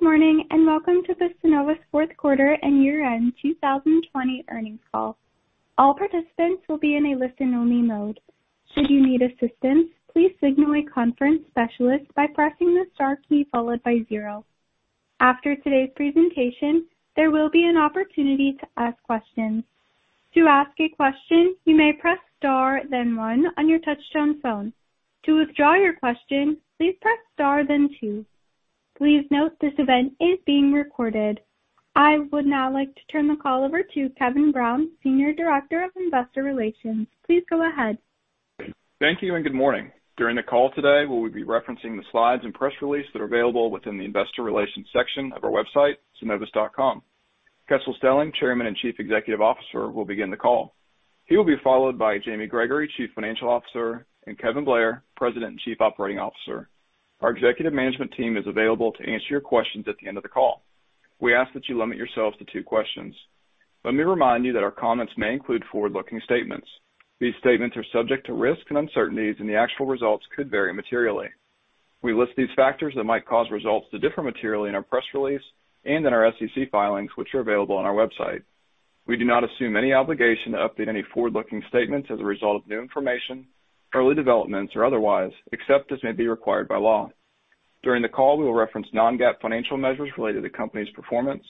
Good morning, welcome to the Synovus fourth quarter and year-end 2020 earnings call. All participants will be in a listen-only mode. Should you need assistance, please signal the conference specialist by pressing star key followed by zero. After today's presentation, there will be an opportunity to ask questions. To ask a question you may press star then one on your touchtone phone. To withdraw your question please press star then two. Please note this event is being recorded. I would now like to turn the call over to Kevin Brown, Senior Director of Investor Relations. Please go ahead. Thank you, and good morning. During the call today, we will be referencing the slides and press release that are available within the investor relations section of our website, synovus.com. Kessel Stelling, Chairman and Chief Executive Officer, will begin the call. He will be followed by Jamie Gregory, Chief Financial Officer, and Kevin Blair, President and Chief Operating Officer. Our executive management team is available to answer your questions at the end of the call. We ask that you limit yourselves to two questions. Let me remind you that our comments may include forward-looking statements. These statements are subject to risks and uncertainties, and the actual results could vary materially. We list these factors that might cause results to differ materially in our press release and in our SEC filings, which are available on our website. We do not assume any obligation to update any forward-looking statements as a result of new information, early developments, or otherwise, except as may be required by law. During the call, we will reference non-GAAP financial measures related to the company's performance.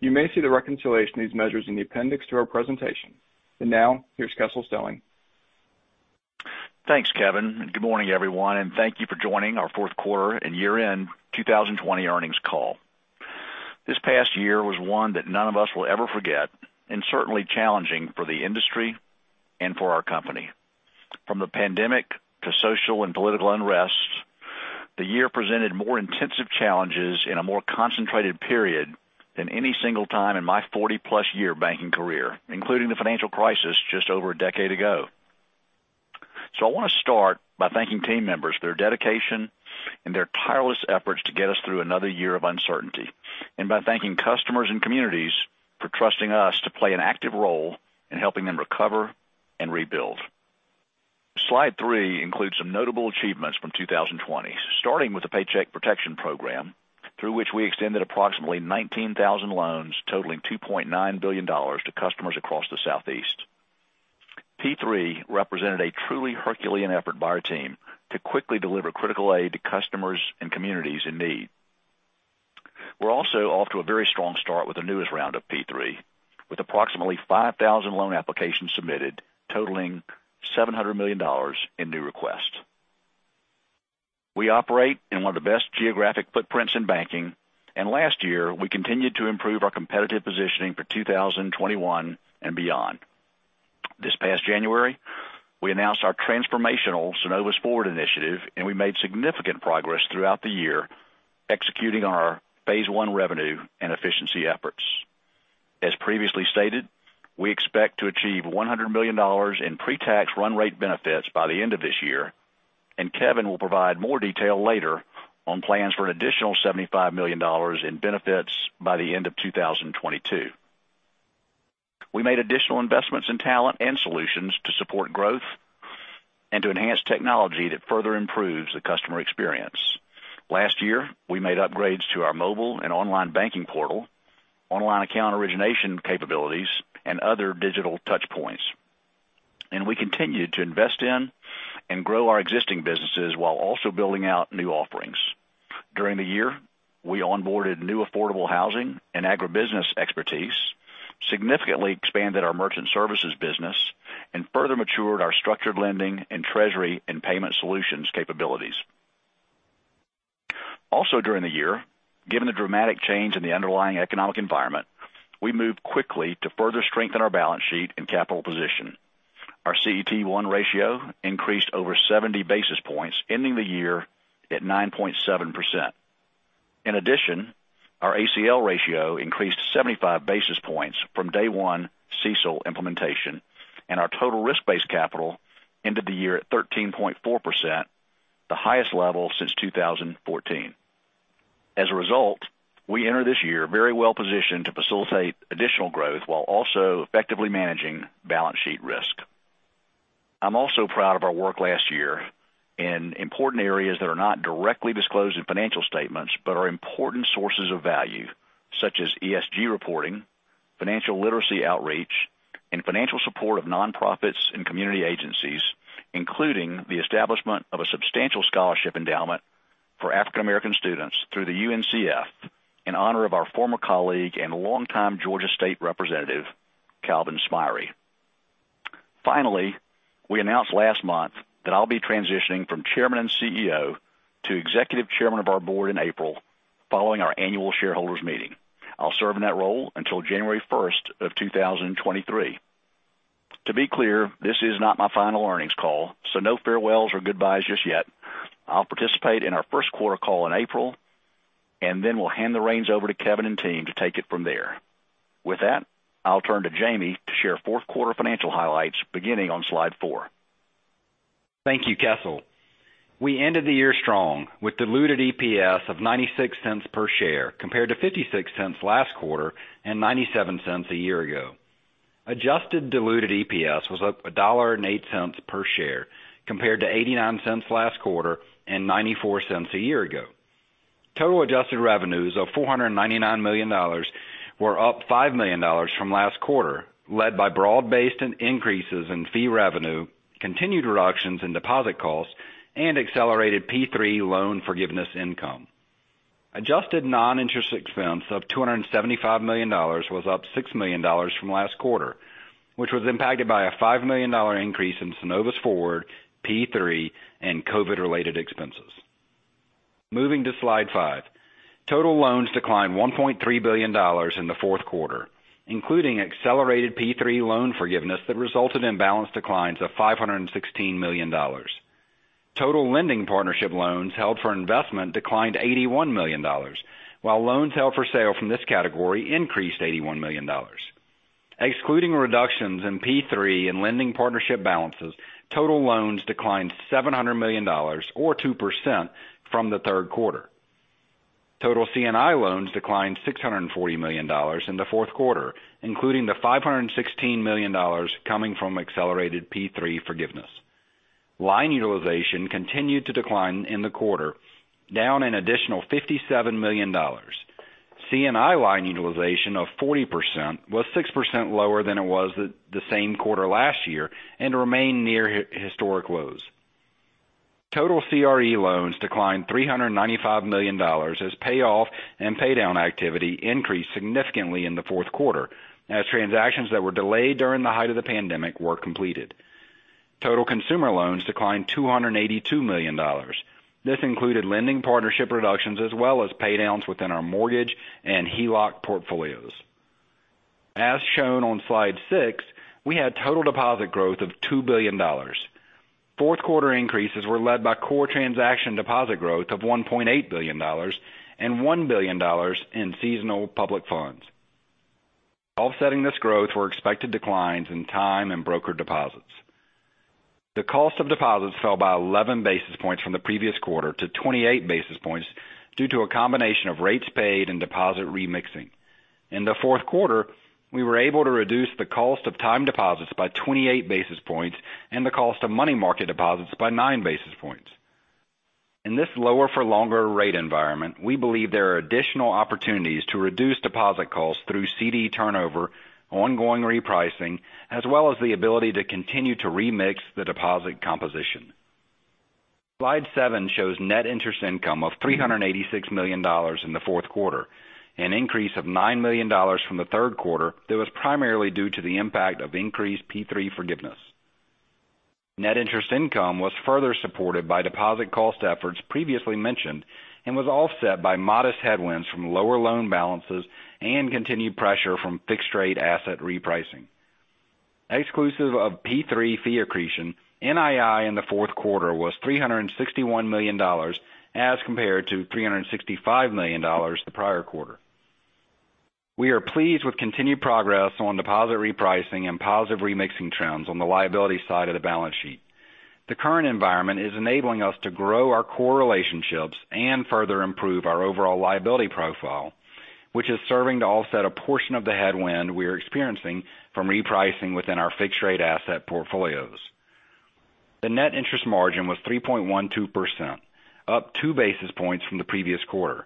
You may see the reconciliation of these measures in the appendix to our presentation. Now, here's Kessel Stelling. Thanks, Kevin, and good morning, everyone, and thank you for joining our fourth quarter and year-end 2020 earnings call. This past year was one that none of us will ever forget, and certainly challenging for the industry and for our company. From the pandemic to social and political unrests, the year presented more intensive challenges in a more concentrated period than any single time in my 40 year banking career, including the financial crisis just over a decade ago. So I want to start by thanking team members for their dedication and their tireless efforts to get us through another year of uncertainty, and by thanking customers and communities for trusting us to play an active role in helping them recover and rebuild. Slide three includes some notable achievements from 2020, starting with the Paycheck Protection Program, through which we extended approximately 19,000 loans totaling $2.9 billion to customers across the Southeast. P3 represented a truly Herculean effort by our team to quickly deliver critical aid to customers and communities in need. We're also off to a very strong start with the newest round of P3, with approximately 5,000 loan applications submitted totaling $700 million in new requests. We operate in one of the best geographic footprints in banking. Last year, we continued to improve our competitive positioning for 2021 and beyond. This past January, we announced our transformational Synovus Forward initiative. We made significant progress throughout the year executing our phase I revenue and efficiency efforts. As previously stated, we expect to achieve $100 million in pre-tax run rate benefits by the end of this year. Kevin will provide more detail later on plans for an additional $75 million in benefits by the end of 2022. We made additional investments in talent and solutions to support growth and to enhance technology that further improves the customer experience. Last year, we made upgrades to our mobile and online banking portal, online account origination capabilities, and other digital touchpoints. We continued to invest in and grow our existing businesses while also building out new offerings. During the year, we onboarded new affordable housing and agribusiness expertise, significantly expanded our merchant services business, and further matured our structured lending and treasury and payment solutions capabilities. Also during the year, given the dramatic change in the underlying economic environment, we moved quickly to further strengthen our balance sheet and capital position. Our CET1 ratio increased over 70 basis points, ending the year at 9.7%. In addition, our ACL ratio increased 75 basis points from day one CECL implementation, and our total risk-based capital ended the year at 13.4%, the highest level since 2014. As a result, we enter this year very well positioned to facilitate additional growth while also effectively managing balance sheet risk. I'm also proud of our work last year in important areas that are not directly disclosed in financial statements but are important sources of value, such as ESG reporting, financial literacy outreach, and financial support of nonprofits and community agencies, including the establishment of a substantial scholarship endowment for African American students through the UNCF in honor of our former colleague and longtime Georgia State representative, Calvin Smyre. Finally, we announced last month that I'll be transitioning from Chairman and CEO to Executive Chairman of our Board in April, following our annual shareholders meeting. I'll serve in that role until January 1st of 2023. To be clear, this is not my final earnings call, so no farewells or goodbyes just yet. I'll participate in our first quarter call in April, and then we'll hand the reins over to Kevin and team to take it from there. With that, I'll turn to Jamie to share fourth quarter financial highlights beginning on slide four. Thank you, Kessel. We ended the year strong with diluted EPS of $0.96 per share compared to $0.56 last quarter and $0.97 a year ago. Adjusted diluted EPS was up $1.08 per share compared to $0.89 last quarter and $0.94 a year ago. Total adjusted revenues of $499 million were up $5 million from last quarter, led by broad-based increases in fee revenue, continued reductions in deposit costs, and accelerated P3 loan forgiveness income. Adjusted non-interest expense of $275 million was up $6 million from last quarter, which was impacted by a $5 million increase in Synovus Forward, P3, and COVID related expenses. Moving to slide five. Total loans declined $1.3 billion in the fourth quarter, including accelerated P3 loan forgiveness that resulted in balance declines of $516 million. Total lending partnership loans held for investment declined $81 million, while loans held for sale from this category increased $81 million. Excluding reductions in P3 and lending partnership balances, total loans declined $700 million or 2% from the third quarter. Total C&I loans declined $640 million in the fourth quarter, including the $516 million coming from accelerated P3 forgiveness. Line utilization continued to decline in the quarter, down an additional $57 million. C&I line utilization of 40% was 6% lower than it was the same quarter last year and remained near historic lows. Total CRE loans declined $395 million as payoff and paydown activity increased significantly in the fourth quarter as transactions that were delayed during the height of the pandemic were completed. Total consumer loans declined $282 million. This included lending partnership reductions, as well as paydowns within our mortgage and HELOC portfolios. As shown on slide six, we had total deposit growth of $2 billion. Fourth quarter increases were led by core transaction deposit growth of $1.8 billion and $1 billion in seasonal public funds. Offsetting this growth were expected declines in time and broker deposits. The cost of deposits fell by 11 basis points from the previous quarter to 28 basis points due to a combination of rates paid and deposit remixing. In the fourth quarter, we were able to reduce the cost of time deposits by 28 basis points and the cost of money market deposits by 9 basis points. In this lower for longer rate environment, we believe there are additional opportunities to reduce deposit costs through CD turnover, ongoing repricing, as well as the ability to continue to remix the deposit composition. Slide seven shows net interest income of $386 million in the fourth quarter, an increase of $9 million from the third quarter that was primarily due to the impact of increased P3 forgiveness. Net interest income was further supported by deposit cost efforts previously mentioned and was offset by modest headwinds from lower loan balances and continued pressure from fixed rate asset repricing. Exclusive of P3 fee accretion, NII in the fourth quarter was $361 million as compared to $365 million the prior quarter. We are pleased with continued progress on deposit repricing and positive remixing trends on the liability side of the balance sheet. The current environment is enabling us to grow our core relationships and further improve our overall liability profile, which is serving to offset a portion of the headwind we are experiencing from repricing within our fixed rate asset portfolios. The net interest margin was 3.12%, up 2 basis points from the previous quarter.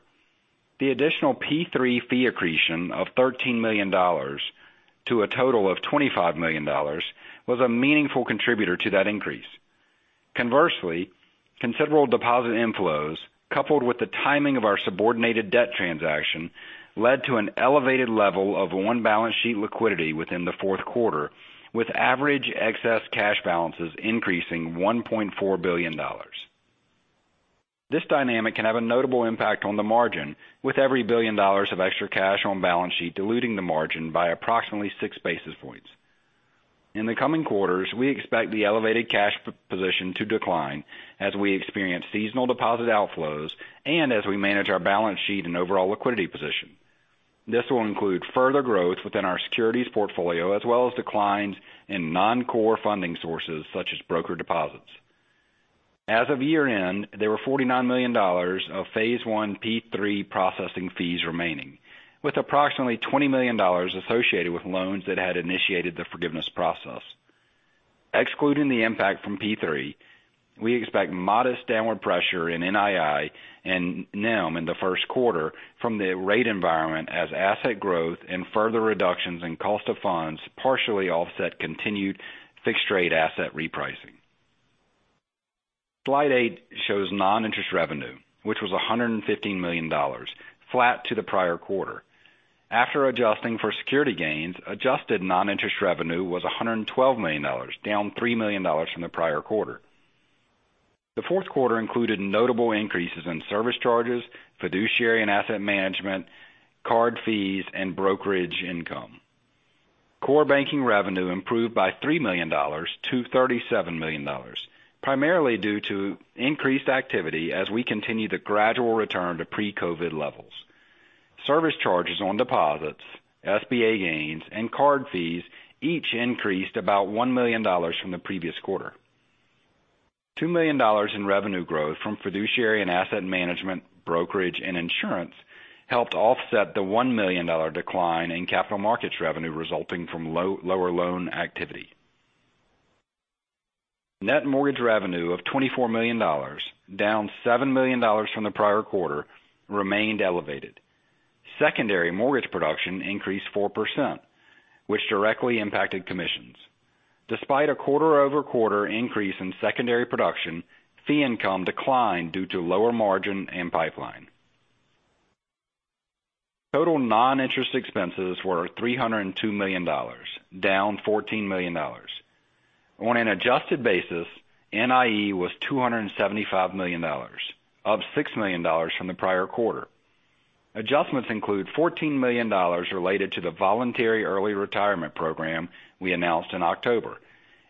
The additional P3 fee accretion of $13 million to a total of $25 million was a meaningful contributor to that increase. Conversely, considerable deposit inflows, coupled with the timing of our subordinated debt transaction, led to an elevated level of on balance sheet liquidity within the fourth quarter, with average excess cash balances increasing $1.4 billion. This dynamic can have a notable impact on the margin with every $1 billion of extra cash on balance sheet diluting the margin by approximately six basis points. In the coming quarters, we expect the elevated cash position to decline as we experience seasonal deposit outflows and as we manage our balance sheet and overall liquidity position. This will include further growth within our securities portfolio as well as declines in non-core funding sources such as broker deposits. As of year-end, there were $49 million of phase I P3 processing fees remaining, with approximately $20 million associated with loans that had initiated the forgiveness process. Excluding the impact from P3, we expect modest downward pressure in NII and NIM in the first quarter from the rate environment as asset growth and further reductions in cost of funds partially offset continued fixed rate asset repricing. Slide eight shows non-interest revenue, which was $115 million, flat to the prior quarter. After adjusting for security gains, adjusted non-interest revenue was $112 million, down $3 million from the prior quarter. The fourth quarter included notable increases in service charges, fiduciary and asset management, card fees, and brokerage income. Core banking revenue improved by $3 million to $37 million, primarily due to increased activity as we continue the gradual return to pre-COVID levels. Service charges on deposits, SBA gains, and card fees each increased about $1 million from the previous quarter. $2 million in revenue growth from fiduciary and asset management, brokerage, and insurance helped offset the $1 million decline in capital markets revenue resulting from lower loan activity. Net mortgage revenue of $24 million, down $7 million from the prior quarter, remained elevated. Secondary mortgage production increased 4%, which directly impacted commissions. Despite a quarter-over-quarter increase in secondary production, fee income declined due to lower margin and pipeline. Total non-interest expenses were $302 million, down $14 million. On an adjusted basis, NIE was $275 million, up $6 million from the prior quarter. Adjustments include $14 million related to the Voluntary Early Retirement Program we announced in October,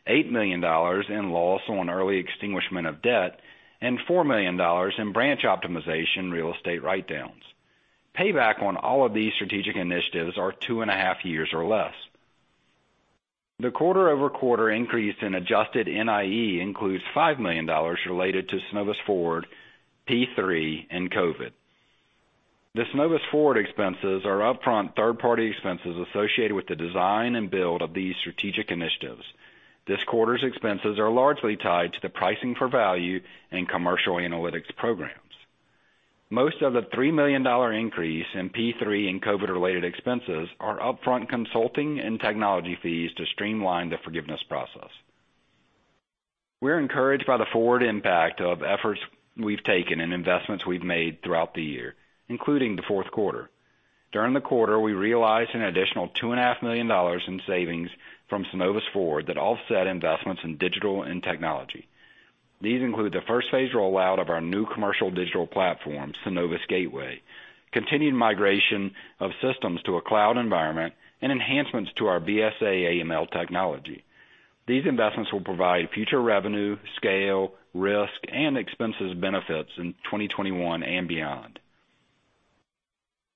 $8 million in loss on early extinguishment of debt, and $4 million in branch optimization real estate write-downs. Payback on all of these strategic initiatives are 2.5 years or less. The quarter-over-quarter increase in adjusted NIE includes $5 million related to Synovus Forward, P3, and COVID. The Synovus Forward expenses are upfront third-party expenses associated with the design and build of these strategic initiatives. This quarter's expenses are largely tied to the pricing for value and commercial analytics programs. Most of the $3 million increase in P3 and COVID-related expenses are upfront consulting and technology fees to streamline the forgiveness process. We're encouraged by the forward impact of efforts we've taken and investments we've made throughout the year, including the fourth quarter. During the quarter, we realized an additional $2.5 million in savings from Synovus Forward that offset investments in digital and technology. These include the first phase rollout of our new commercial digital platform, Synovus Gateway, continued migration of systems to a cloud environment, and enhancements to our BSA/AML technology. These investments will provide future revenue, scale, risk, and expenses benefits in 2021 and beyond.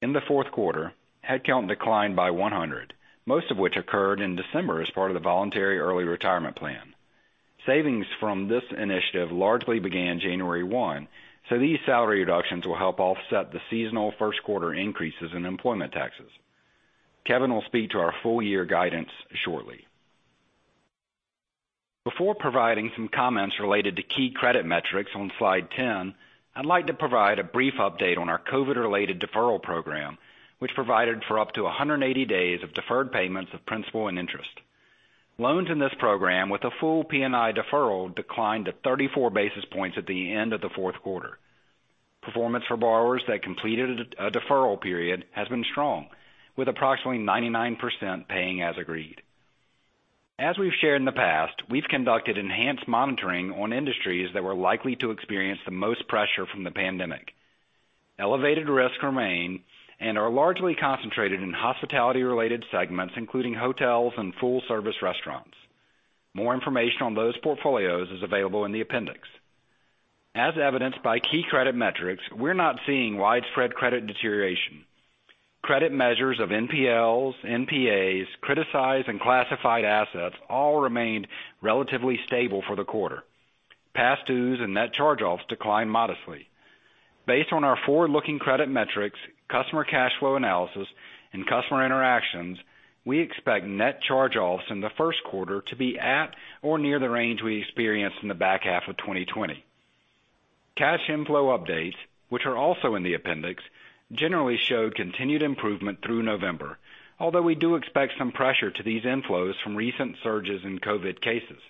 In the fourth quarter, headcount declined by 100, most of which occurred in December as part of the voluntary early retirement plan. Savings from this initiative largely began January 1, so these salary reductions will help offset the seasonal first quarter increases in employment taxes. Kevin will speak to our full year guidance shortly. Before providing some comments related to key credit metrics on slide 10, I'd like to provide a brief update on our COVID-related deferral program, which provided for up to 180 days of deferred payments of principal and interest. Loans in this program with a full P&I deferral declined to 34 basis points at the end of the fourth quarter. Performance for borrowers that completed a deferral period has been strong, with approximately 99% paying as agreed. As we've shared in the past, we've conducted enhanced monitoring on industries that were likely to experience the most pressure from the pandemic. Elevated risks remain and are largely concentrated in hospitality-related segments, including hotels and full-service restaurants. More information on those portfolios is available in the appendix. As evidenced by key credit metrics, we're not seeing widespread credit deterioration. Credit measures of NPLs, NPAs, criticized and classified assets all remained relatively stable for the quarter. Past dues and net charge-offs declined modestly. Based on our forward-looking credit metrics, customer cash flow analysis, and customer interactions, we expect net charge-offs in the first quarter to be at or near the range we experienced in the back half of 2020. Cash inflow updates, which are also in the appendix, generally show continued improvement through November, although we do expect some pressure to these inflows from recent surges in COVID cases.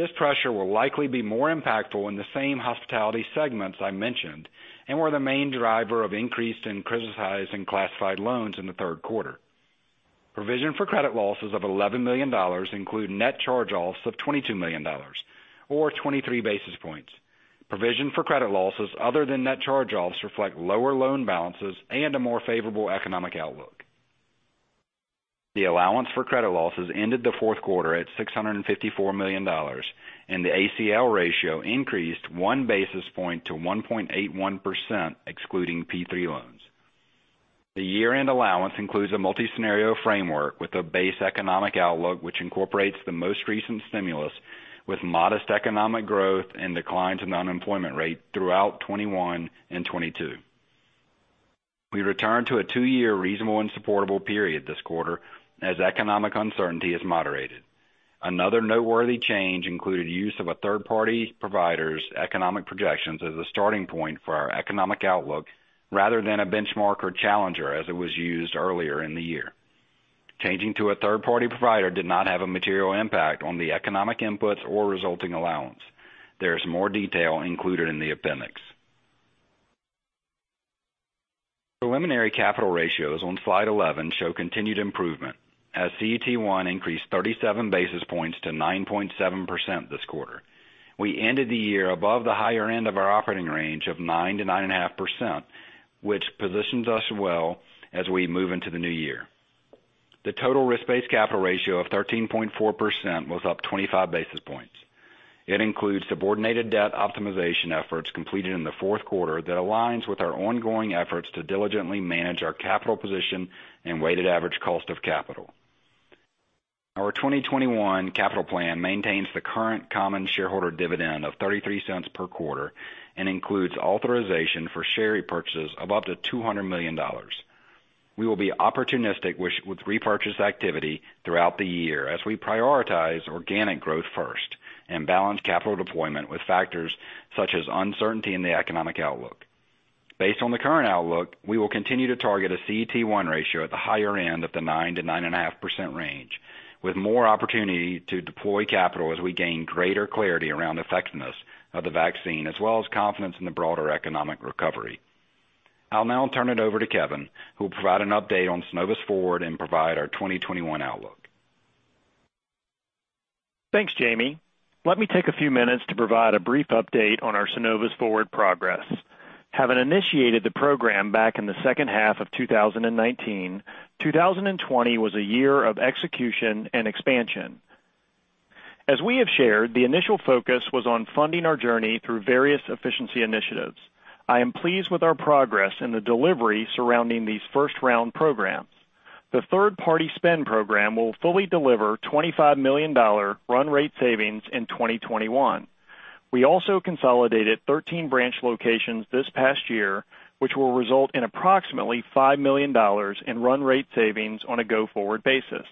This pressure will likely be more impactful in the same hospitality segments I mentioned, and were the main driver of increase in criticized and classified loans in the third quarter. Provision for credit losses of $11 million include net charge-offs of $22 million or 23 basis points. Provision for credit losses other than net charge-offs reflect lower loan balances and a more favorable economic outlook. The allowance for credit losses ended the fourth quarter at $654 million, and the ACL ratio increased one basis point to 1.81%, excluding P3 loans. The year-end allowance includes a multi-scenario framework with a base economic outlook, which incorporates the most recent stimulus with modest economic growth and declines in the unemployment rate throughout 2021 and 2022. We return to a two-year reasonable and supportable period this quarter as economic uncertainty has moderated. Another noteworthy change included use of a third-party provider's economic projections as a starting point for our economic outlook rather than a benchmark or challenger, as it was used earlier in the year. Changing to a third-party provider did not have a material impact on the economic inputs or resulting allowance. There is more detail included in the appendix. Preliminary capital ratios on slide 11 show continued improvement as CET1 increased 37 basis points to 9.7% this quarter. We ended the year above the higher end of our operating range of 9%-9.5%, which positions us well as we move into the new year. The total risk-based capital ratio of 13.4% was up 25 basis points. It includes subordinated debt optimization efforts completed in the fourth quarter that aligns with our ongoing efforts to diligently manage our capital position and weighted average cost of capital. Our 2021 capital plan maintains the current common shareholder dividend of $0.33 per quarter and includes authorization for share repurchases of up to $200 million. We will be opportunistic with repurchase activity throughout the year as we prioritize organic growth first and balance capital deployment with factors such as uncertainty in the economic outlook. Based on the current outlook, we will continue to target a CET1 ratio at the higher end of the 9%-9.5% range, with more opportunity to deploy capital as we gain greater clarity around the effectiveness of the vaccine, as well as confidence in the broader economic recovery. I'll now turn it over to Kevin, who will provide an update on Synovus Forward and provide our 2021 outlook. Thanks, Jamie. Let me take a few minutes to provide a brief update on our Synovus Forward progress. Having initiated the program back in the second half of 2019, 2020 was a year of execution and expansion. As we have shared, the initial focus was on funding our journey through various efficiency initiatives. I am pleased with our progress in the delivery surrounding these first-round programs. The third-party spend program will fully deliver $25 million run rate savings in 2021. We also consolidated 13 branch locations this past year, which will result in approximately $5 million in run rate savings on a go-forward basis.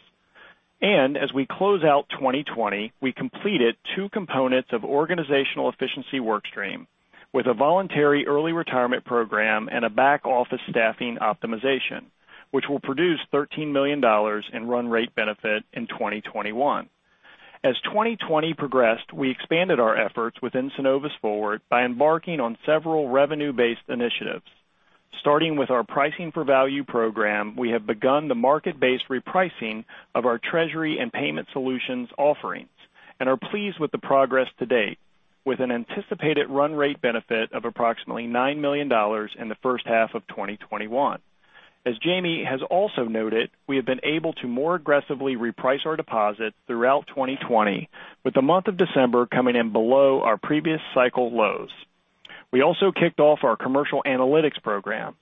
As we close out 2020, we completed two components of organizational efficiency workstream with a voluntary early retirement program and a back-office staffing optimization, which will produce $13 million in run rate benefit in 2021. As 2020 progressed, we expanded our efforts within Synovus Forward by embarking on several revenue-based initiatives. Starting with our Pricing for Value program, we have begun the market-based repricing of our treasury and payment solutions offerings and are pleased with the progress to date, with an anticipated run rate benefit of approximately $9 million in the first half of 2021. As Jamie has also noted, we have been able to more aggressively reprice our deposits throughout 2020, with the month of December coming in below our previous cycle lows. We also kicked off our commercial analytics program.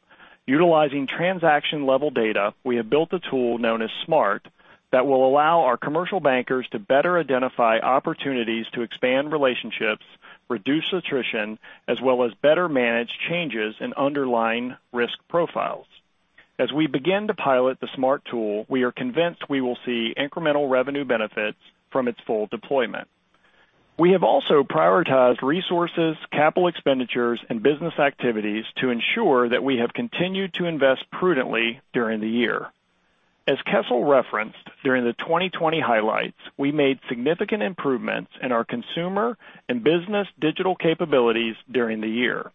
Utilizing transaction-level data, we have built a tool known as Smart that will allow our commercial bankers to better identify opportunities to expand relationships, reduce attrition, as well as better manage changes in underlying risk profiles. As we begin to pilot the Smart tool, we are convinced we will see incremental revenue benefits from its full deployment. We have also prioritized resources, capital expenditures, and business activities to ensure that we have continued to invest prudently during the year. As Kessel referenced during the 2020 highlights, we made significant improvements in our consumer and business digital capabilities during the year.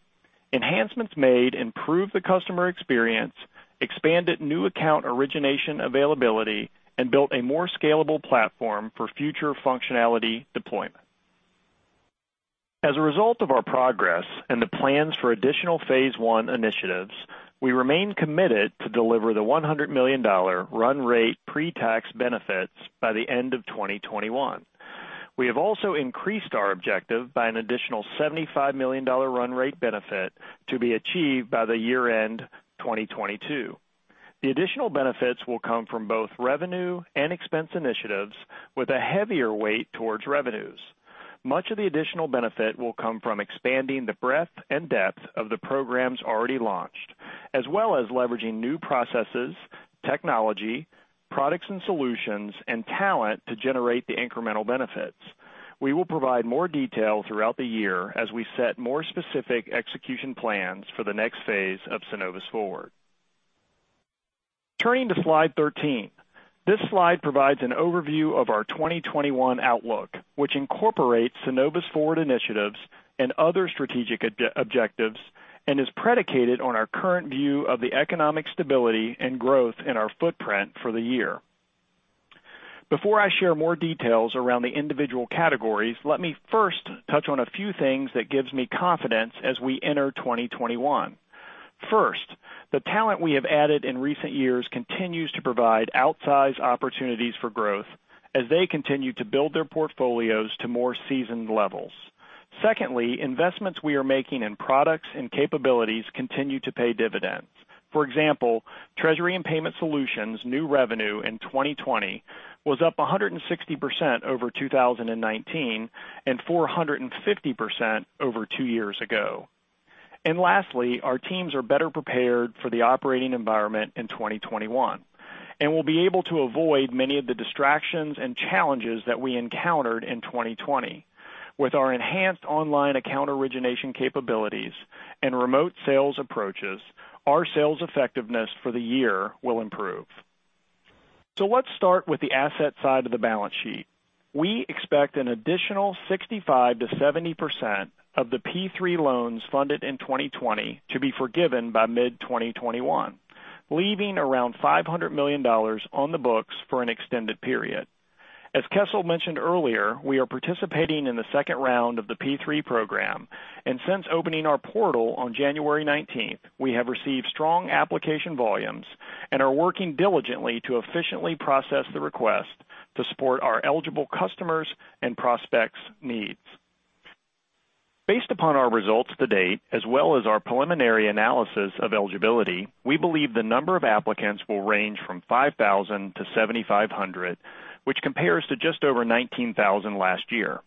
Enhancements made improved the customer experience, expanded new account origination availability, and built a more scalable platform for future functionality deployment. As a result of our progress and the plans for additional phase I initiatives, we remain committed to deliver the $100 million run rate pre-tax benefits by the end of 2021. We have also increased our objective by an additional $75 million run rate benefit to be achieved by the year-end 2022. The additional benefits will come from both revenue and expense initiatives with a heavier weight towards revenues. Much of the additional benefit will come from expanding the breadth and depth of the programs already launched, as well as leveraging new processes, technology, products and solutions, and talent to generate the incremental benefits. We will provide more detail throughout the year as we set more specific execution plans for the next phase of Synovus Forward. Turning to slide 13. This slide provides an overview of our 2021 outlook, which incorporates Synovus Forward initiatives and other strategic objectives and is predicated on our current view of the economic stability and growth in our footprint for the year. Before I share more details around the individual categories, let me first touch on a few things that gives me confidence as we enter 2021. First, the talent we have added in recent years continues to provide outsized opportunities for growth as they continue to build their portfolios to more seasoned levels. Secondly, investments we are making in products and capabilities continue to pay dividends. For example, Treasury and Payment Solutions' new revenue in 2020 was up 160% over 2019 and 450% over two years ago. Lastly, our teams are better prepared for the operating environment in 2021 and will be able to avoid many of the distractions and challenges that we encountered in 2020. With our enhanced online account origination capabilities and remote sales approaches, our sales effectiveness for the year will improve. Let's start with the asset side of the balance sheet. We expect an additional 65%-70% of the P3 loans funded in 2020 to be forgiven by mid-2021, leaving around $500 million on the books for an extended period. As Kessel mentioned earlier, we are participating in the second round of the P3 program. Since opening our portal on January 19th, we have received strong application volumes and are working diligently to efficiently process the request to support our eligible customers' and prospects' needs. Based upon our results to date, as well as our preliminary analysis of eligibility, we believe the number of applicants will range from 5,000-7,500, which compares to just over 19,000 last year.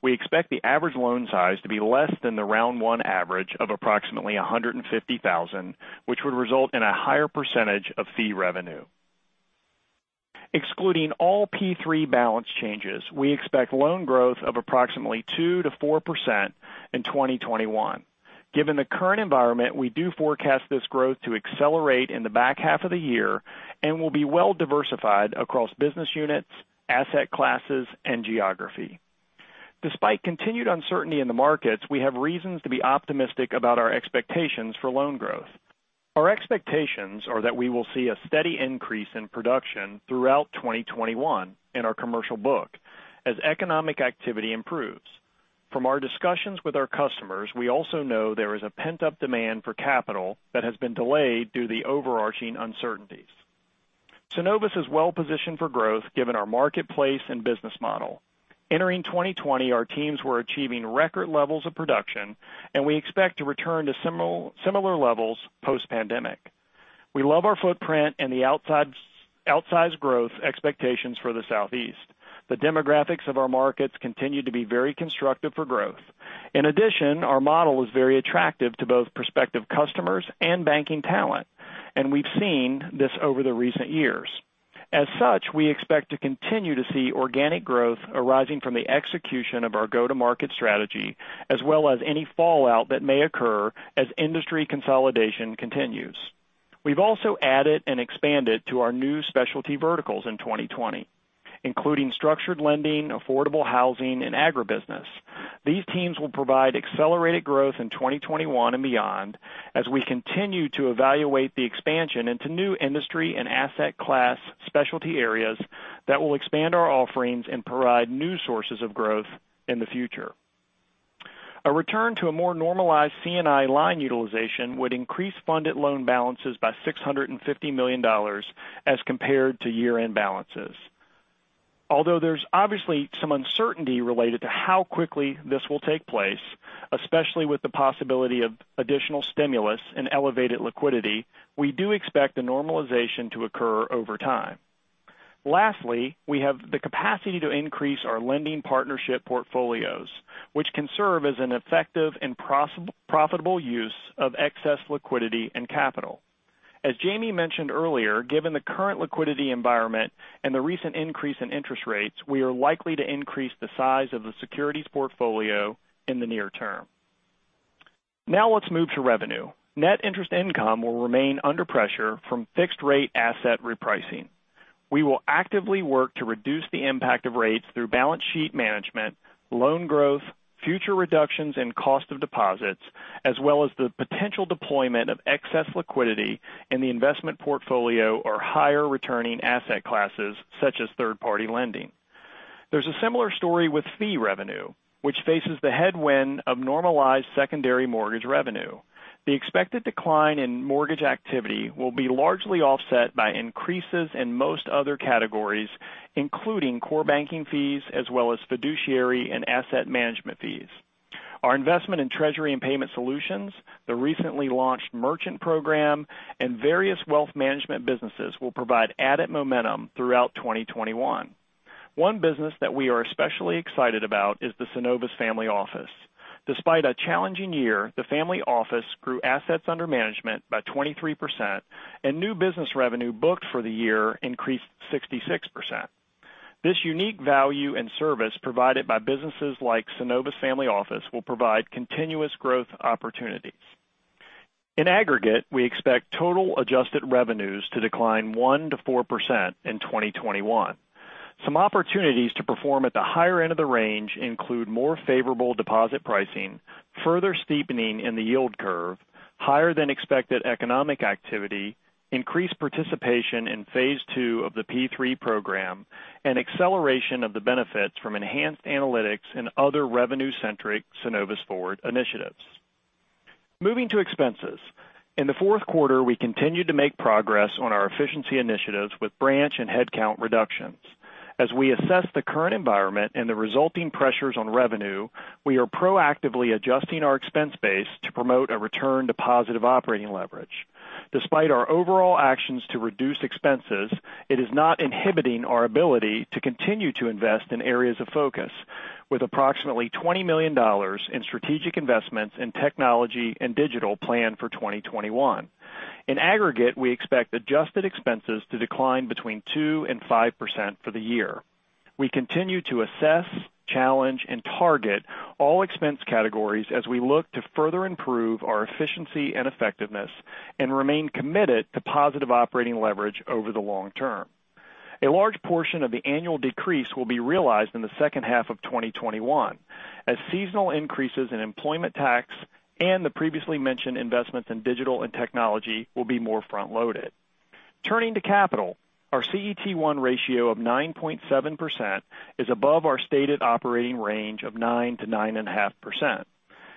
We expect the average loan size to be less than the round one average of approximately $150,000, which would result in a higher percentage of fee revenue. Excluding all P3 balance changes, we expect loan growth of approximately 2%-4% in 2021. Given the current environment, we do forecast this growth to accelerate in the back half of the year and will be well-diversified across business units, asset classes, and geography. Despite continued uncertainty in the markets, we have reasons to be optimistic about our expectations for loan growth. Our expectations are that we will see a steady increase in production throughout 2021 in our commercial book as economic activity improves. From our discussions with our customers, we also know there is a pent-up demand for capital that has been delayed due to the overarching uncertainties. Synovus is well-positioned for growth given our marketplace and business model. Entering 2020, our teams were achieving record levels of production, and we expect to return to similar levels post-pandemic. We love our footprint and the outsized growth expectations for the Southeast. The demographics of our markets continue to be very constructive for growth. In addition, our model is very attractive to both prospective customers and banking talent, and we've seen this over the recent years. As such, we expect to continue to see organic growth arising from the execution of our go-to-market strategy, as well as any fallout that may occur as industry consolidation continues. We've also added and expanded to our new specialty verticals in 2020, including structured lending, affordable housing, and agribusiness. These teams will provide accelerated growth in 2021 and beyond as we continue to evaluate the expansion into new industry and asset class specialty areas that will expand our offerings and provide new sources of growth in the future. A return to a more normalized C&I line utilization would increase funded loan balances by $650 million as compared to year-end balances. There's obviously some uncertainty related to how quickly this will take place, especially with the possibility of additional stimulus and elevated liquidity, we do expect the normalization to occur over time. We have the capacity to increase our lending partnership portfolios, which can serve as an effective and profitable use of excess liquidity and capital. As Jamie mentioned earlier, given the current liquidity environment and the recent increase in interest rates, we are likely to increase the size of the securities portfolio in the near term. Let's move to revenue. Net interest income will remain under pressure from fixed rate asset repricing. We will actively work to reduce the impact of rates through balance sheet management, loan growth, future reductions in cost of deposits, as well as the potential deployment of excess liquidity in the investment portfolio or higher returning asset classes such as third-party lending. There's a similar story with fee revenue, which faces the headwind of normalized secondary mortgage revenue. The expected decline in mortgage activity will be largely offset by increases in most other categories, including core banking fees, as well as fiduciary and asset management fees. Our investment in treasury and payment solutions, the recently launched merchant program, and various wealth management businesses will provide added momentum throughout 2021. One business that we are especially excited about is the Synovus Family Office. Despite a challenging year, the Family Office grew assets under management by 23%, and new business revenue booked for the year increased 66%. This unique value and service provided by businesses like Synovus Family Office will provide continuous growth opportunities. In aggregate, we expect total adjusted revenues to decline 1%-4% in 2021. Some opportunities to perform at the higher end of the range include more favorable deposit pricing, further steepening in the yield curve, higher than expected economic activity, increased participation in phase II of the P3 program, and acceleration of the benefits from enhanced analytics and other revenue-centric Synovus Forward initiatives. Moving to expenses. In the fourth quarter, we continued to make progress on our efficiency initiatives with branch and headcount reductions. As we assess the current environment and the resulting pressures on revenue, we are proactively adjusting our expense base to promote a return to positive operating leverage. Despite our overall actions to reduce expenses, it is not inhibiting our ability to continue to invest in areas of focus with approximately $20 million in strategic investments in technology and digital plan for 2021. In aggregate, we expect adjusted expenses to decline between 2% and 5% for the year. We continue to assess, challenge, and target all expense categories as we look to further improve our efficiency and effectiveness and remain committed to positive operating leverage over the long term. A large portion of the annual decrease will be realized in the second half of 2021 as seasonal increases in employment tax and the previously mentioned investments in digital and technology will be more front-loaded. Turning to capital, our CET1 ratio of 9.7% is above our stated operating range of 9%-9.5%.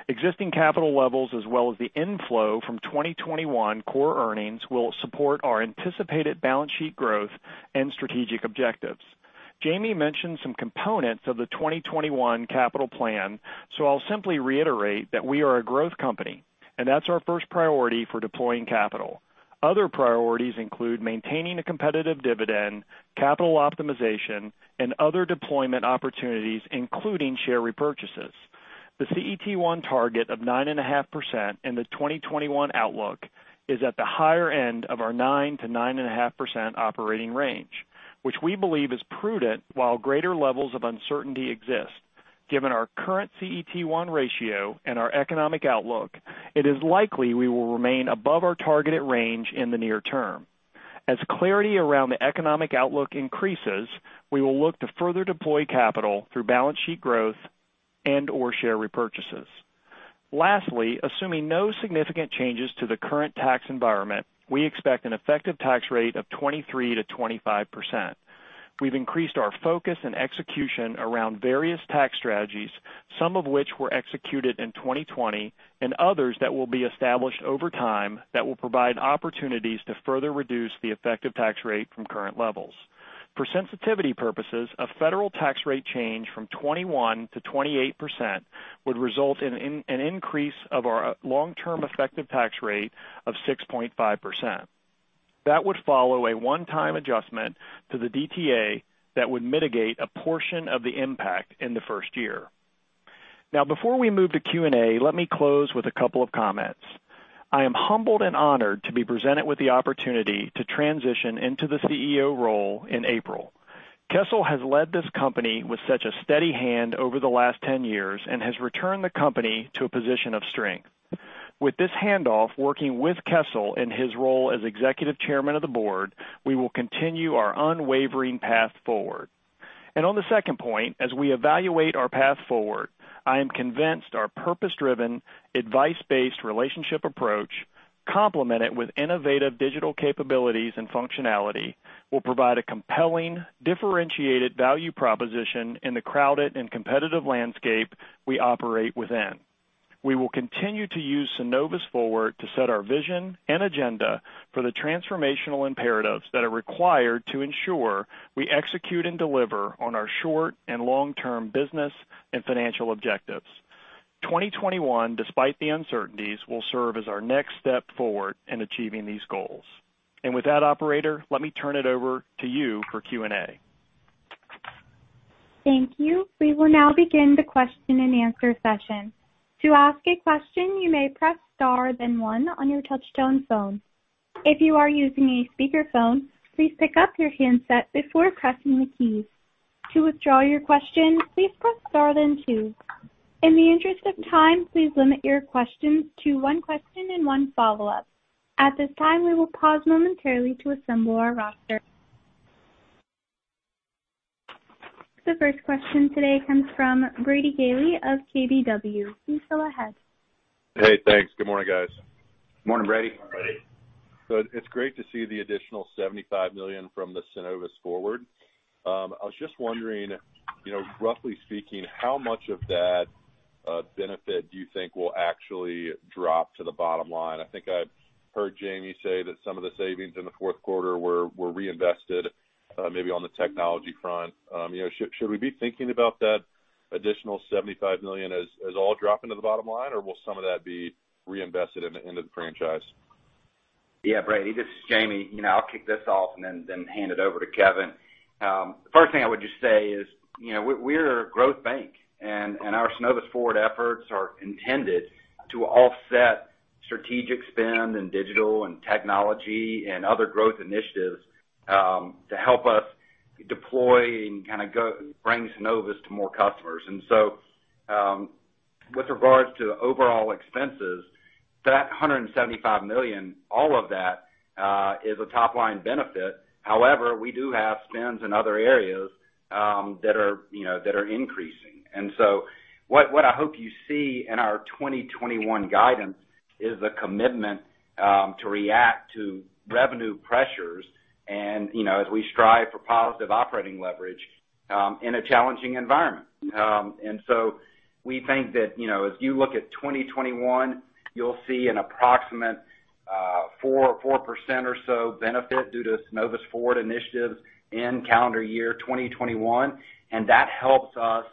Existing capital levels as well as the inflow from 2021 core earnings will support our anticipated balance sheet growth and strategic objectives. Jamie mentioned some components of the 2021 capital plan, so I'll simply reiterate that we are a growth company, and that's our first priority for deploying capital. Other priorities include maintaining a competitive dividend, capital optimization, and other deployment opportunities, including share repurchases. The CET1 target of 9.5% in the 2021 outlook is at the higher end of our 9%-9.5% operating range, which we believe is prudent while greater levels of uncertainty exist. Given our current CET1 ratio and our economic outlook, it is likely we will remain above our targeted range in the near term. As clarity around the economic outlook increases, we will look to further deploy capital through balance sheet growth and/or share repurchases. Assuming no significant changes to the current tax environment, we expect an effective tax rate of 23%-25%. We've increased our focus and execution around various tax strategies, some of which were executed in 2020 and others that will be established over time that will provide opportunities to further reduce the effective tax rate from current levels. For sensitivity purposes, a federal tax rate change from 21%-28% would result in an increase of our long-term effective tax rate of 6.5%. That would follow a one-time adjustment to the DTA that would mitigate a portion of the impact in the first year. Before we move to Q&A, let me close with a couple of comments. I am humbled and honored to be presented with the opportunity to transition into the CEO role in April. Kessel has led this company with such a steady hand over the last 10 years and has returned the company to a position of strength. With this handoff, working with Kessel in his role as Executive Chairman of the board, we will continue our unwavering path forward. On the second point, as we evaluate our path forward, I am convinced our purpose-driven, advice-based relationship approach, complemented with innovative digital capabilities and functionality, will provide a compelling, differentiated value proposition in the crowded and competitive landscape we operate within. We will continue to use Synovus Forward to set our vision and agenda for the transformational imperatives that are required to ensure we execute and deliver on our short- and long-term business and financial objectives. 2021, despite the uncertainties, will serve as our next step forward in achieving these goals. With that, operator, let me turn it over to you for Q&A. Thank you. We will now begin the question-and-answer session. To ask a question, you may press star then one on your touch-tone phone. If you are using a speakerphone, please pick up your handset before pressing the keys. To withdraw your question, please press star then two. In the interest of time, please limit your questions to one question and one follow-up. At this time, we will pause momentarily to assemble our roster. The first question today comes from Brady Gailey of KBW. Please go ahead. Hey, thanks. Good morning, guys. Morning, Brady. Morning. It's great to see the additional $75 million from the Synovus Forward. I was just wondering, roughly speaking, how much of that benefit do you think will actually drop to the bottom line? I think I've heard Jamie say that some of the savings in the fourth quarter were reinvested maybe on the technology front. Should we be thinking about that additional $75 million as all dropping to the bottom line, or will some of that be reinvested into the franchise? Yeah, Brady, this is Jamie. I'll kick this off and then hand it over to Kevin. The first thing I would just say is we're a growth bank, and our Synovus Forward efforts are intended to offset strategic spend in digital and technology and other growth initiatives to help us deploy and bring Synovus to more customers. With regards to overall expenses, that $175 million, all of that is a top-line benefit. However, we do have spends in other areas that are increasing. What I hope you see in our 2021 guidance is the commitment to react to revenue pressures and as we strive for positive operating leverage in a challenging environment. We think that as you look at 2021, you'll see an approximate 4% or so benefit due to Synovus Forward initiatives in calendar year 2021. That helps us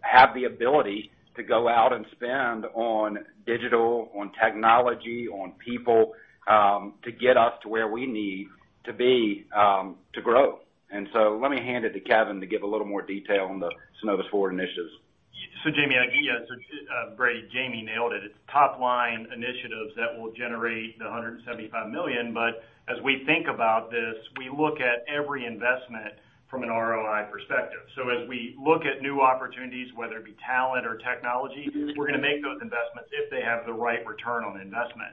have the ability to go out and spend on digital, on technology, on people to get us to where we need to be to grow. Let me hand it to Kevin to give a little more detail on the Synovus Forward initiatives. Jamie, yes. Brady, Jamie nailed it. It's top-line initiatives that will generate the $175 million. As we think about this, we look at every investment from an ROI perspective. As we look at new opportunities, whether it be talent or technology, we're going to make those investments if they have the right return on investment.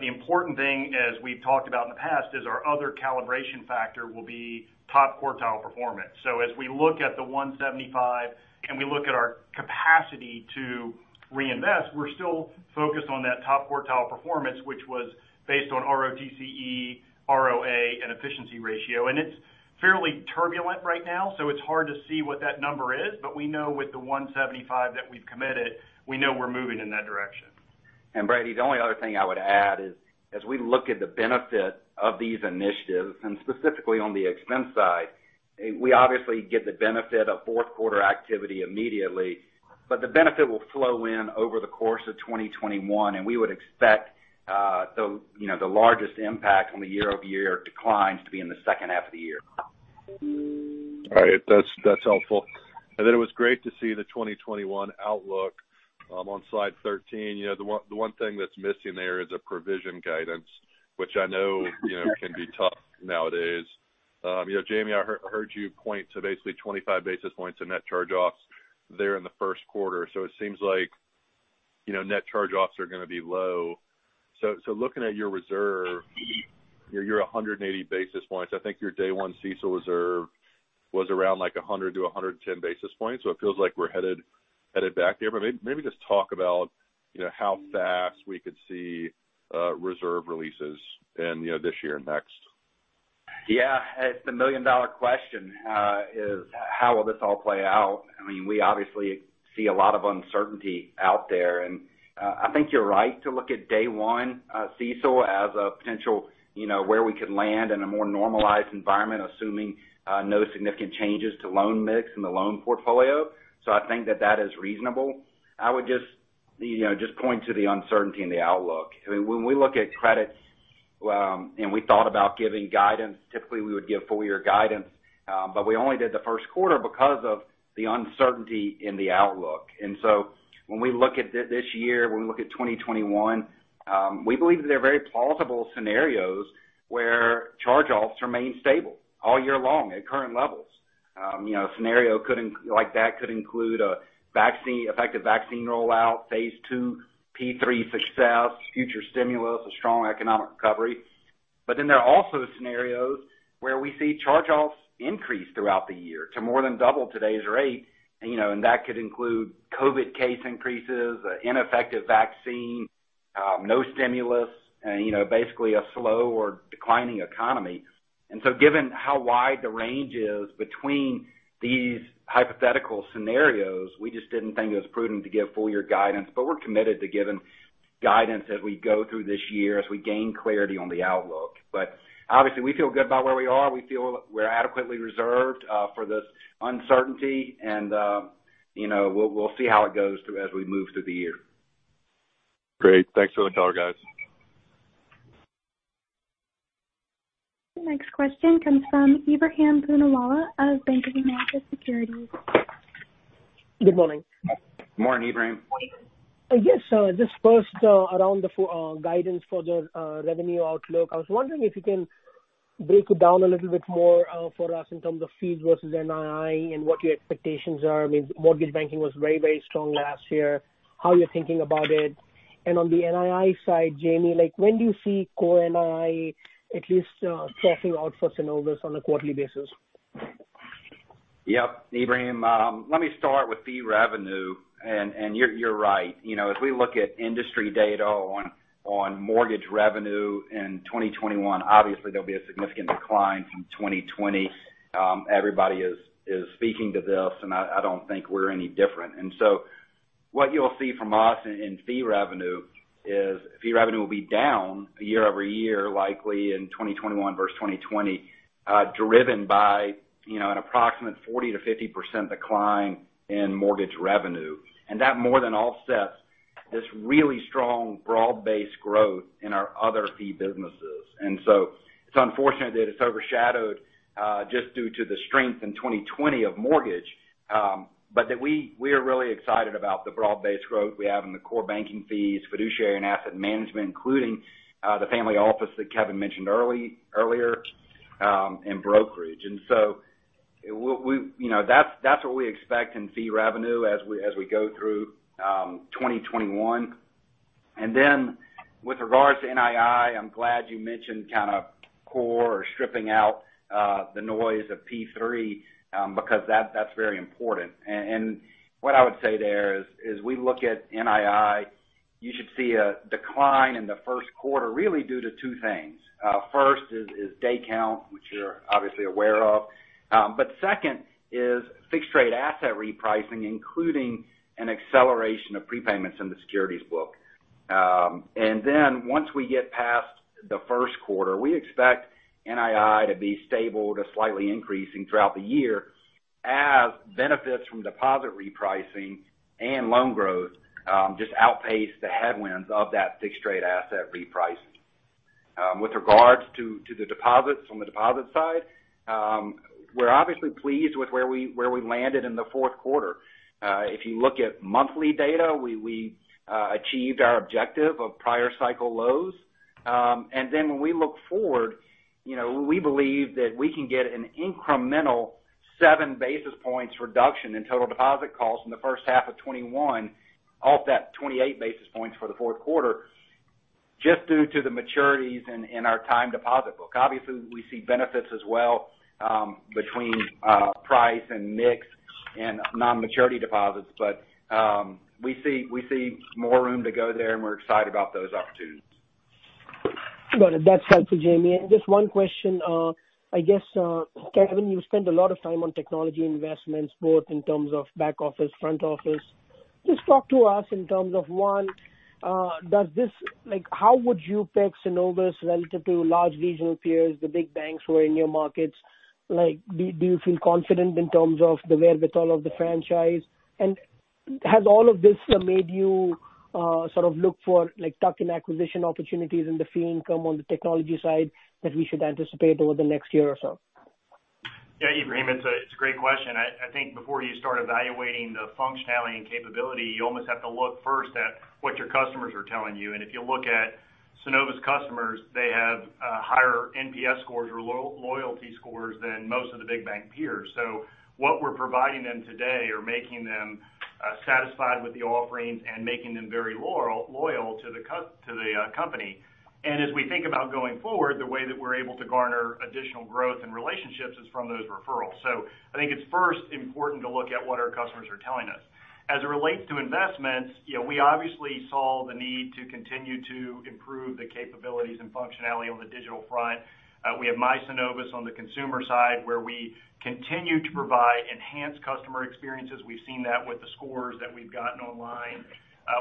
The important thing, as we've talked about in the past, is our other calibration factor will be top quartile performance. As we look at the 175 and we look at our capacity to reinvest, we're still focused on that top quartile performance, which was based on ROTCE, ROA, and efficiency ratio. It's fairly turbulent right now, so it's hard to see what that number is. We know with the 175 that we've committed, we know we're moving in that direction. Brady, the only other thing I would add is, as we look at the benefit of these initiatives, and specifically on the expense side, we obviously get the benefit of fourth quarter activity immediately, but the benefit will flow in over the course of 2021, and we would expect the largest impact on the year-over-year declines to be in the second half of the year. Right. That's helpful. Then it was great to see the 2021 outlook on slide 13. The one thing that's missing there is a provision guidance, which I know can be tough nowadays. Jamie, I heard you point to basically 25 basis points in net charge-offs there in the first quarter. It seems like net charge-offs are going to be low. Looking at your reserve, your 180 basis points, I think your day 1 CECL reserve was around like 100-110 basis points. Maybe just talk about how fast we could see reserve releases in this year and next. It's the $1 million question, is how will this all play out? We obviously see a lot of uncertainty out there, and I think you're right to look at day one CECL as a potential where we could land in a more normalized environment, assuming no significant changes to loan mix in the loan portfolio. I think that that is reasonable. I would just point to the uncertainty in the outlook. When we look at credit, and we thought about giving guidance, typically we would give full year guidance. We only did the first quarter because of the uncertainty in the outlook. When we look at this year, when we look at 2021, we believe that there are very plausible scenarios where charge-offs remain stable all year long at current levels. A scenario like that could include an effective vaccine rollout, phase II, P3 success, future stimulus, a strong economic recovery. There are also scenarios where we see charge-offs increase throughout the year to more than double today's rate. That could include COVID case increases, ineffective vaccine, no stimulus, basically a slow or declining economy. Given how wide the range is between these hypothetical scenarios, we just didn't think it was prudent to give full year guidance. We're committed to giving guidance as we go through this year, as we gain clarity on the outlook. Obviously, we feel good about where we are. We feel we're adequately reserved for this uncertainty, and we'll see how it goes as we move through the year. Great. Thanks for the color, guys. The next question comes from Ebrahim Poonawala of Bank of America Securities. Good morning. Morning, Ebrahim. Yes. First around the guidance for the revenue outlook, I was wondering if you can break it down a little bit more for us in terms of fees versus NII and what your expectations are. Mortgage banking was very strong last year. How are you thinking about it? On the NII side, Jamie, when do you see core NII at least sorting out for Synovus on a quarterly basis? Yep. Ebrahim, let me start with fee revenue. You're right. If we look at industry data on mortgage revenue in 2021, obviously there'll be a significant decline from 2020. Everybody is speaking to this, and I don't think we're any different. What you'll see from us in fee revenue is fee revenue will be down year-over-year, likely in 2021 versus 2020, driven by an approximate 40%-50% decline in mortgage revenue. That more than offsets this really strong broad-based growth in our other fee businesses. It's unfortunate that it's overshadowed just due to the strength in 2020 of mortgage. We are really excited about the broad-based growth we have in the core banking fees, fiduciary and asset management, including the Synovus Family Office that Kevin mentioned earlier, and brokerage. That's what we expect in fee revenue as we go through 2021. With regards to NII, I'm glad you mentioned kind of core or stripping out the noise of P3 because that's very important. What I would say there is, as we look at NII, you should see a decline in the first quarter, really due to two things. First is day count, which you're obviously aware of. Second is fixed rate asset repricing, including an acceleration of prepayments in the securities book. Once we get past the first quarter, we expect NII to be stable to slightly increasing throughout the year as benefits from deposit repricing and loan growth just outpace the headwinds of that fixed rate asset repricing. With regards to the deposits on the deposit side, we're obviously pleased with where we landed in the fourth quarter. If you look at monthly data, we achieved our objective of prior cycle lows. When we look forward, we believe that we can get an incremental seven basis points reduction in total deposit costs in the first half of 2021 off that 28 basis points for the fourth quarter just due to the maturities in our time deposit book. Obviously, we see benefits as well between price and mix and non-maturity deposits, but we see more room to go there, and we're excited about those opportunities. Got it. That's helpful, Jamie. Just one question. I guess, Kevin, you spent a lot of time on technology investments, both in terms of back office, front office. Just talk to us in terms of, one, how would you peg Synovus relative to large regional peers, the big banks who are in your markets? Do you feel confident in terms of the wherewithal of the franchise? Has all of this made you look for tuck-in acquisition opportunities in the fee income on the technology side that we should anticipate over the next year or so? Ebrahim, it's a great question. I think before you start evaluating the functionality and capability, you almost have to look first at what your customers are telling you. If you look at Synovus customers, they have higher NPS scores or loyalty scores than most of the big bank peers. What we're providing them today are making them satisfied with the offerings and making them very loyal to the company. As we think about going forward, the way that we're able to garner additional growth and relationships is from those referrals. I think it's first important to look at what our customers are telling us. As it relates to investments, we obviously saw the need to continue to improve the capabilities and functionality on the digital front. We have My Synovus on the consumer side, where we continue to provide enhanced customer experiences. We've seen that with the scores that we've gotten online.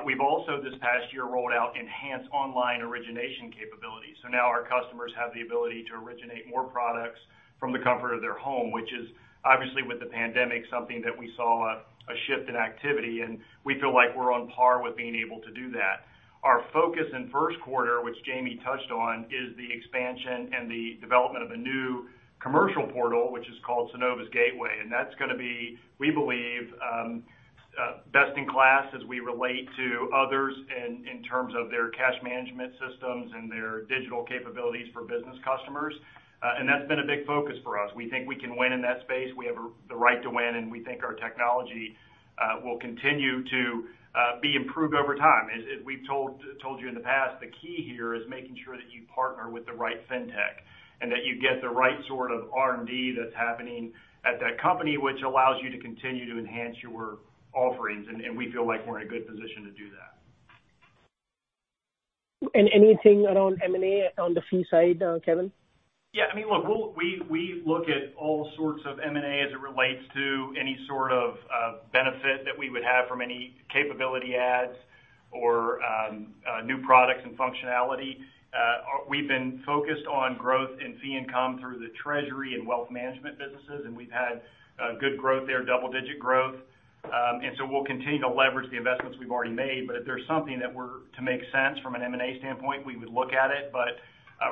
We've also, this past year, rolled out enhanced online origination capabilities. Now our customers have the ability to originate more products from the comfort of their home, which is obviously with the pandemic, something that we saw a shift in activity, and we feel like we're on par with being able to do that. Our focus in first quarter, which Jamie touched on, is the expansion and the development of a new commercial portal, which is called Synovus Gateway. That's going to be, we believe, best-in-class as we relate to others in terms of their cash management systems and their digital capabilities for business customers. That's been a big focus for us. We think we can win in that space. We have the right to win, and we think our technology will continue to be improved over time. As we've told you in the past, the key here is making sure that you partner with the right fintech and that you get the right sort of R&D that's happening at that company, which allows you to continue to enhance your offerings. And we feel like we're in a good position to do that. Anything around M&A on the fee side, Kevin? Yeah. Look, we look at all sorts of M&A as it relates to any sort of benefit that we would have from any capability adds or new products and functionality. We've been focused on growth in fee income through the treasury and wealth management businesses, and we've had good growth there, double-digit growth. We'll continue to leverage the investments we've already made. If there's something that were to make sense from an M&A standpoint, we would look at it.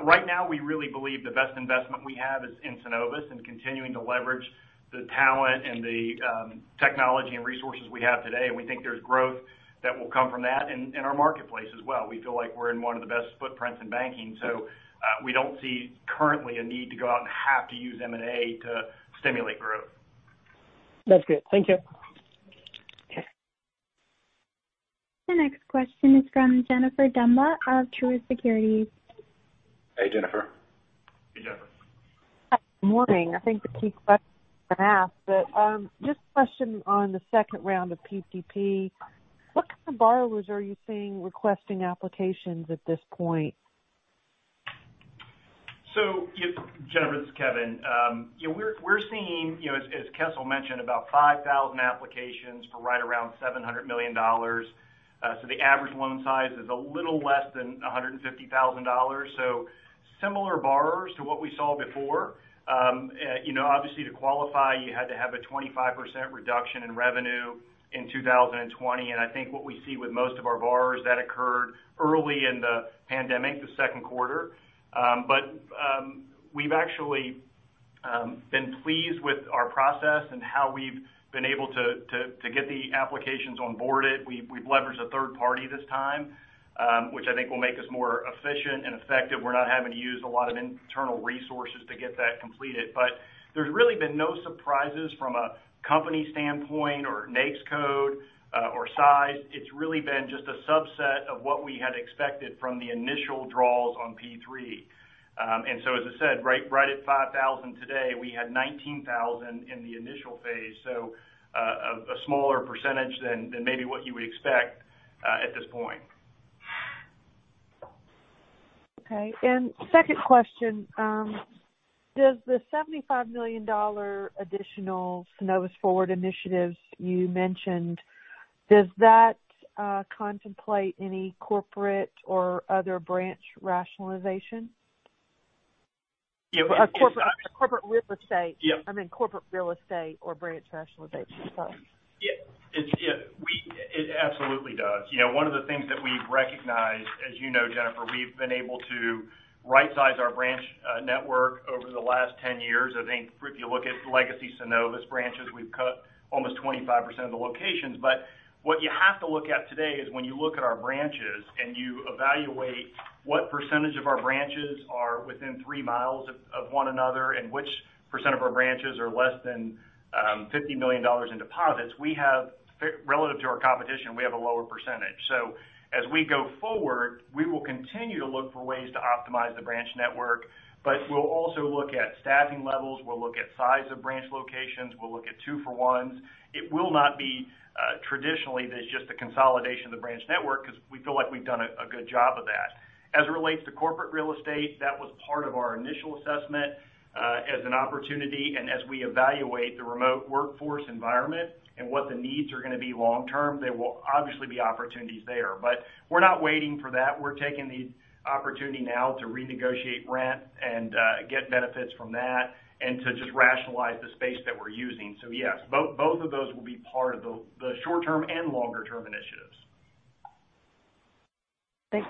Right now, we really believe the best investment we have is in Synovus and continuing to leverage the talent and the technology and resources we have today. We think there's growth that will come from that in our marketplace as well. We feel like we're in one of the best footprints in banking. We don't see currently a need to go out and have to use M&A to stimulate growth. That's good. Thank you. Okay. The next question is from Jennifer Demba of Truist Securities. Hey, Jennifer. Hey, Jennifer. Morning. I think the key question has been asked, but just a question on the second round of PPP. What kind of borrowers are you seeing requesting applications at this point? Jennifer, this is Kevin. We're seeing, as Kessel mentioned, about 5,000 applications for right around $700 million. The average loan size is a little less than $150,000. Similar borrowers to what we saw before. Obviously to qualify, you had to have a 25% reduction in revenue in 2020. I think what we see with most of our borrowers, that occurred early in the pandemic, the second quarter. We've actually been pleased with our process and how we've been able to get the applications onboarded. We've leveraged a third party this time which I think will make us more efficient and effective. We're not having to use a lot of internal resources to get that completed. There's really been no surprises from a company standpoint or NAICS code or size. It's really been just a subset of what we had expected from the initial draws on P3. As I said, right at 5,000 today, we had 19,000 in the initial phase. A smaller percentage than maybe what you would expect at this point. Okay. Second question. Does the $75 million additional Synovus Forward initiatives you mentioned, does that contemplate any corporate or other branch rationalization? Yeah. Of course, corporate real estate-- Yeah. I mean corporate real estate or branch rationalization, sorry. Yeah. It absolutely does. One of the things that we've recognized, as you know, Jennifer, we've been able to rightsize our branch network over the last 10 years. I think if you look at legacy Synovus branches, we've cut almost 25% of the locations. What you have to look at today is when you look at our branches and you evaluate what percentage of our branches are within 3 mi of one another, and which percent of our branches are less than $50 million in deposits, relative to our competition, we have a lower percentage. As we go forward, we will continue to look for ways to optimize the branch network. We'll also look at staffing levels, we'll look at size of branch locations, we'll look at two for ones. It will not be traditionally that it's just the consolidation of the branch network because we feel like we've done a good job of that. As it relates to corporate real estate, that was part of our initial assessment, as an opportunity. As we evaluate the remote workforce environment and what the needs are going to be long term, there will obviously be opportunities there. We're not waiting for that. We're taking the opportunity now to renegotiate rent and get benefits from that and to just rationalize the space that we're using. Yes, both of those will be part of the short-term and longer term initiatives. Thanks.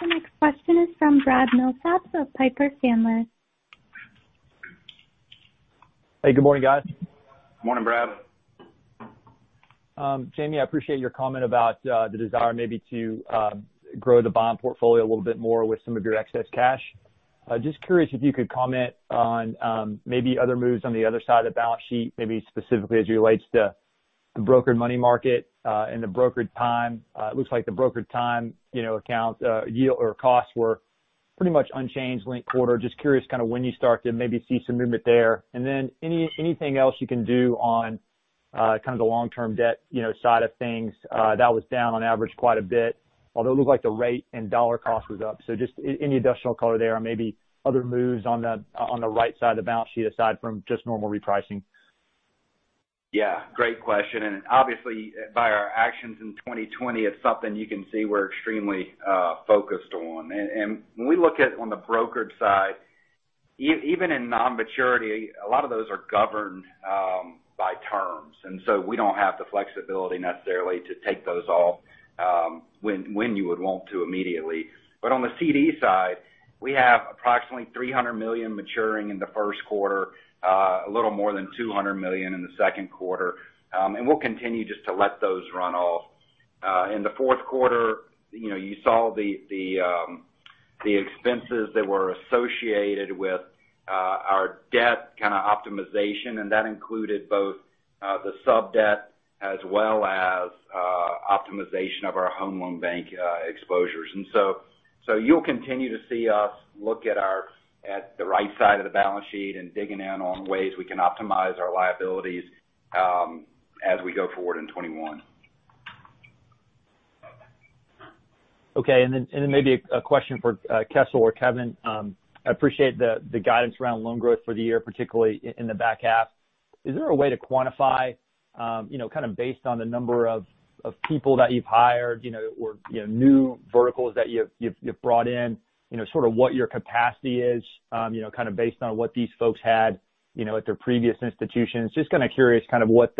The next question is from Brad Milsaps of Piper Sandler. Hey, good morning, guys. Morning, Brad. Jamie, I appreciate your comment about the desire maybe to grow the bond portfolio a little bit more with some of your excess cash. Curious if you could comment on maybe other moves on the other side of the balance sheet, maybe specifically as it relates to the brokered money market and the brokered time. It looks like the brokered time account yield or costs were pretty much unchanged linked quarter. Curious kind of when you start to maybe see some movement there. Anything else you can do on kind of the long-term debt side of things. That was down on average quite a bit, although it looked like the rate and dollar cost was up. Just any additional color there or maybe other moves on the right side of the balance sheet aside from just normal repricing. Yeah. Great question. Obviously, by our actions in 2020, it's something you can see we're extremely focused on. When we look at on the brokered side, even in non-maturity, a lot of those are governed by terms. So we don't have the flexibility necessarily to take those off when you would want to immediately. On the CD side, we have approximately $300 million maturing in the first quarter, a little more than $200 million in the second quarter. We'll continue just to let those run off. In the fourth quarter, you saw the expenses that were associated with our debt kind of optimization, and that included both the sub-debt as well as optimization of our Home Loan Bank exposures. You'll continue to see us look at the right side of the balance sheet and digging in on ways we can optimize our liabilities as we go forward in 2021. Okay. Maybe a question for Kessel or Kevin. I appreciate the guidance around loan growth for the year, particularly in the back half. Is there a way to quantify based on the number of people that you've hired or new verticals that you've brought in, sort of what your capacity is based on what these folks had at their previous institutions? Just kind of curious kind of what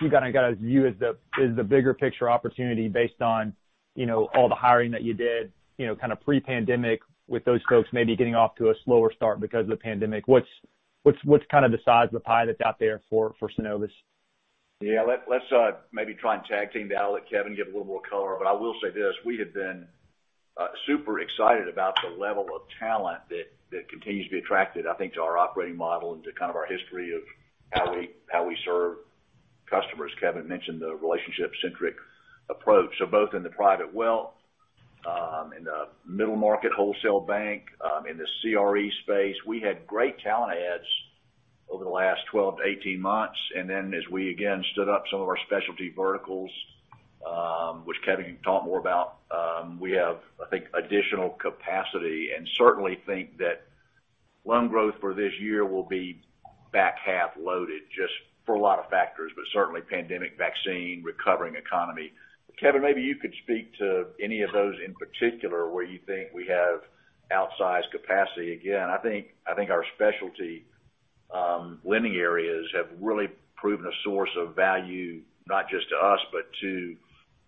you guys view as the bigger picture opportunity based on all the hiring that you did pre-pandemic with those folks maybe getting off to a slower start because of the pandemic. What's kind of the size of the pie that's out there for Synovus? Yeah. Let's maybe try and tag team that. I'll let Kevin give a little more color. I will say this, we have been super excited about the level of talent that continues to be attracted, I think, to our operating model and to kind of our history of how we serve customers. Kevin mentioned the relationship-centric approach. Both in the private wealth, in the middle market wholesale bank, in the CRE space, we had great talent adds over the last 12 to 18 months. As we again stood up some of our specialty verticals, which Kevin can talk more about, we have, I think, additional capacity and certainly think that loan growth for this year will be back half loaded just for a lot of factors, but certainly pandemic vaccine, recovering economy. Kevin, maybe you could speak to any of those in particular where you think we have outsized capacity. I think our specialty lending areas have really proven a source of value not just to us, but to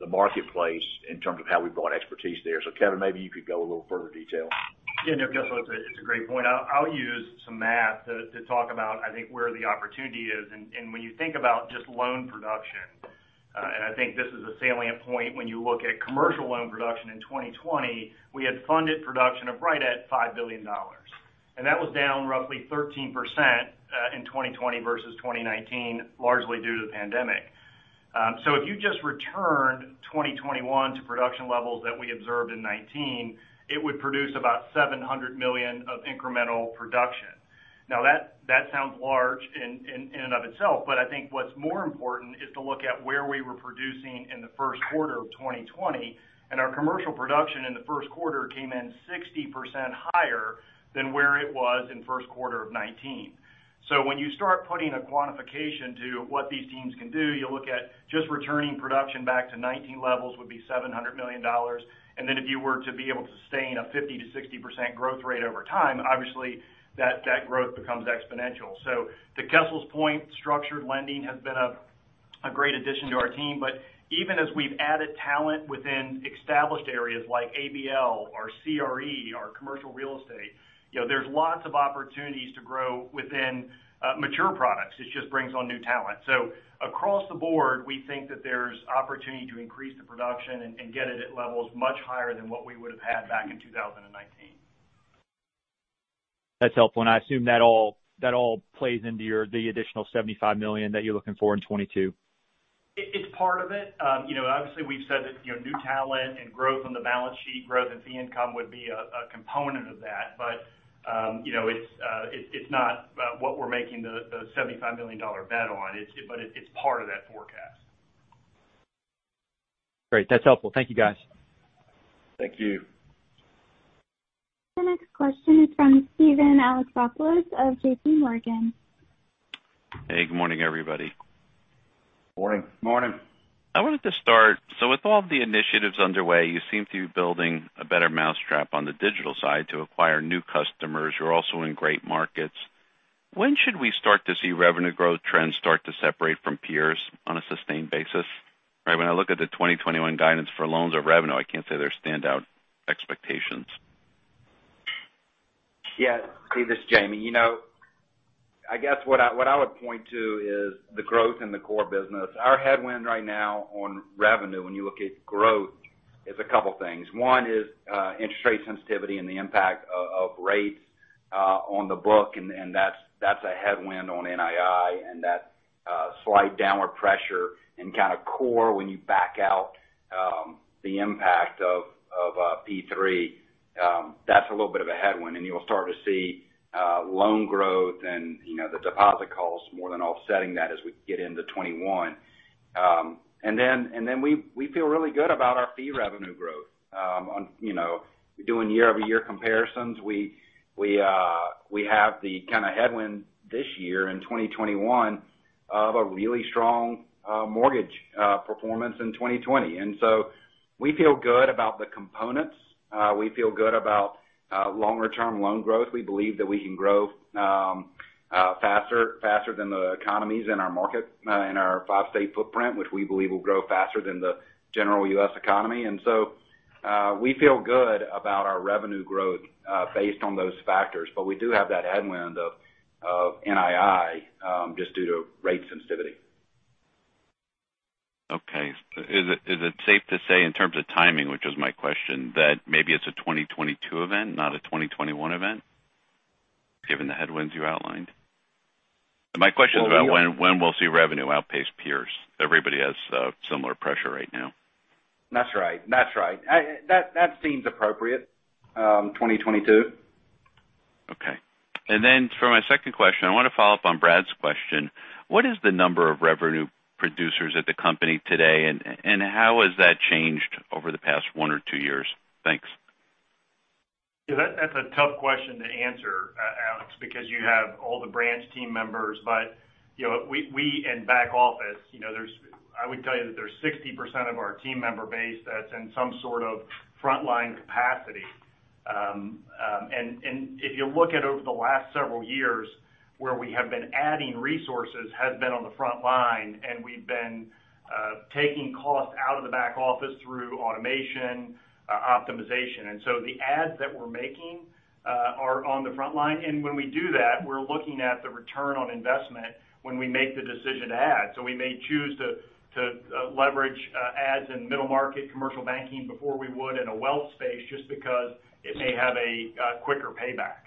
the marketplace in terms of how we brought expertise there. Kevin, maybe you could go a little further detail. Yeah. Kessel, it's a great point. I'll use some math to talk about, I think, where the opportunity is. When you think about just loan production, and I think this is a salient point when you look at commercial loan production in 2020, we had funded production of right at $5 billion. That was down roughly 13% in 2020 versus 2019, largely due to the pandemic. If you just returned 2021 to production levels that we observed in 2019, it would produce about $700 million of incremental production. Now that sounds large in and of itself, but I think what's more important is to look at where we were producing in the first quarter of 2020, and our commercial production in the first quarter came in 60% higher than where it was in first quarter of 2019. When you start putting a quantification to what these teams can do, you look at just returning production back to 2019 levels would be $700 million. If you were to be able to sustain a 50%-60% growth rate over time, obviously that growth becomes exponential. To Kessel's point, structured lending has been a great addition to our team. Even as we've added talent within established areas like ABL or CRE or commercial real estate, there's lots of opportunities to grow within mature products. It just brings on new talent. Across the board, we think that there's opportunity to increase the production and get it at levels much higher than what we would have had back in 2019. That's helpful. I assume that all plays into the additional $75 million that you're looking for in 2022. It's part of it. Obviously, we've said that new talent and growth on the balance sheet, growth and fee income would be a component of that. It's not what we're making the $75 million bet on. It's part of that forecast. Great. That's helpful. Thank you, guys. Thank you. The next question is from Steven Alexopoulos of JPMorgan. Hey, good morning, everybody. Morning. Morning. I wanted to start, with all of the initiatives underway, you seem to be building a better mousetrap on the digital side to acquire new customers. You're also in great markets. When should we start to see revenue growth trends start to separate from peers on a sustained basis? When I look at the 2021 guidance for loans or revenue, I can't say there's standout expectations. Yeah. Steve, this is Jamie. I guess what I would point to is the growth in the core business. Our headwind right now on revenue, when you look at growth, is a couple things. One is interest rate sensitivity and the impact of rates on the book. That's a headwind on NII, and that slight downward pressure in kind of core when you back out the impact of P3. That's a little bit of a headwind. You'll start to see loan growth and the deposit costs more than offsetting that as we get into 2021. We feel really good about our fee revenue growth. Doing year-over-year comparisons, we have the kind of headwind this year in 2021 of a really strong mortgage performance in 2020. We feel good about the components. We feel good about longer-term loan growth. We believe that we can grow faster than the economies in our market, in our five-state footprint, which we believe will grow faster than the general U.S. economy. We feel good about our revenue growth based on those factors. We do have that headwind of NII, just due to rate sensitivity. Is it safe to say in terms of timing, which was my question, that maybe it's a 2022 event, not a 2021 event, given the headwinds you outlined? My question is about when we'll see revenue outpace peers. Everybody has similar pressure right now. That's right. That seems appropriate, 2022. Okay. For my second question, I want to follow up on Brad's question. What is the number of revenue producers at the company today, and how has that changed over the past one or two years? Thanks. That's a tough question to answer, Alex, because you have all the branch team members. We in back office, I would tell you that there's 60% of our team member base that's in some sort of frontline capacity. If you look at over the last several years where we have been adding resources has been on the front line, we've been taking costs out of the back office through automation, optimization. The adds that we're making are on the front line. When we do that, we're looking at the return on investment when we make the decision to add. We may choose to leverage adds in middle market commercial banking before we would in a wealth space, just because it may have a quicker payback.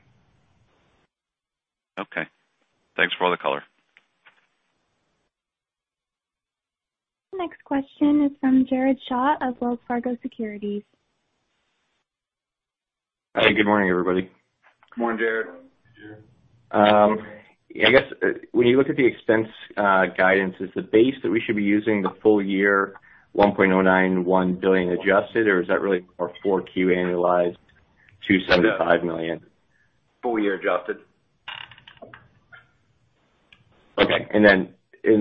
Okay. Thanks for all the color. Next question is from Jared Shaw of Wells Fargo Securities. Hey, good morning, everybody. Good morning, Jared. I guess, when you look at the expense guidance, is the base that we should be using the full year $1.091 billion adjusted, or is that really our 4Q annualized $275 million full year adjusted. Okay. And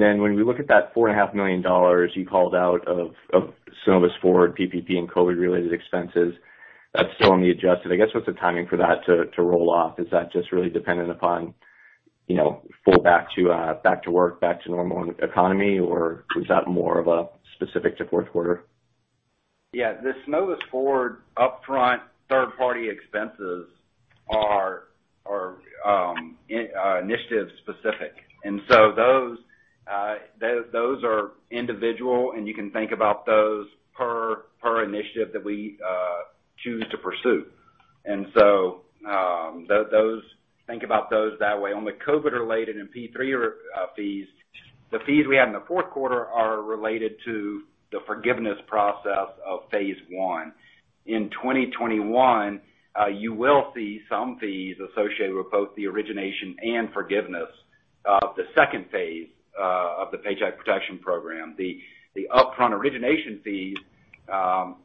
then when we look at that $4.5 million you called out of Synovus Forward, PPP, and COVID-related expenses, that's still on the adjusted. I guess, what's the timing for that to roll off? Is that just really dependent upon full back to work, back to normal economy, or is that more of a specific to fourth quarter? Yeah. The Synovus Forward upfront third-party expenses are initiative specific. Those are individual, and you can think about those per initiative that we choose to pursue. Think about those that way. On the COVID related and P3 fees, the fees we had in the fourth quarter are related to the forgiveness process of phase I. In 2021, you will see some fees associated with both the origination and forgiveness of the second phase of the Paycheck Protection Program. The upfront origination fees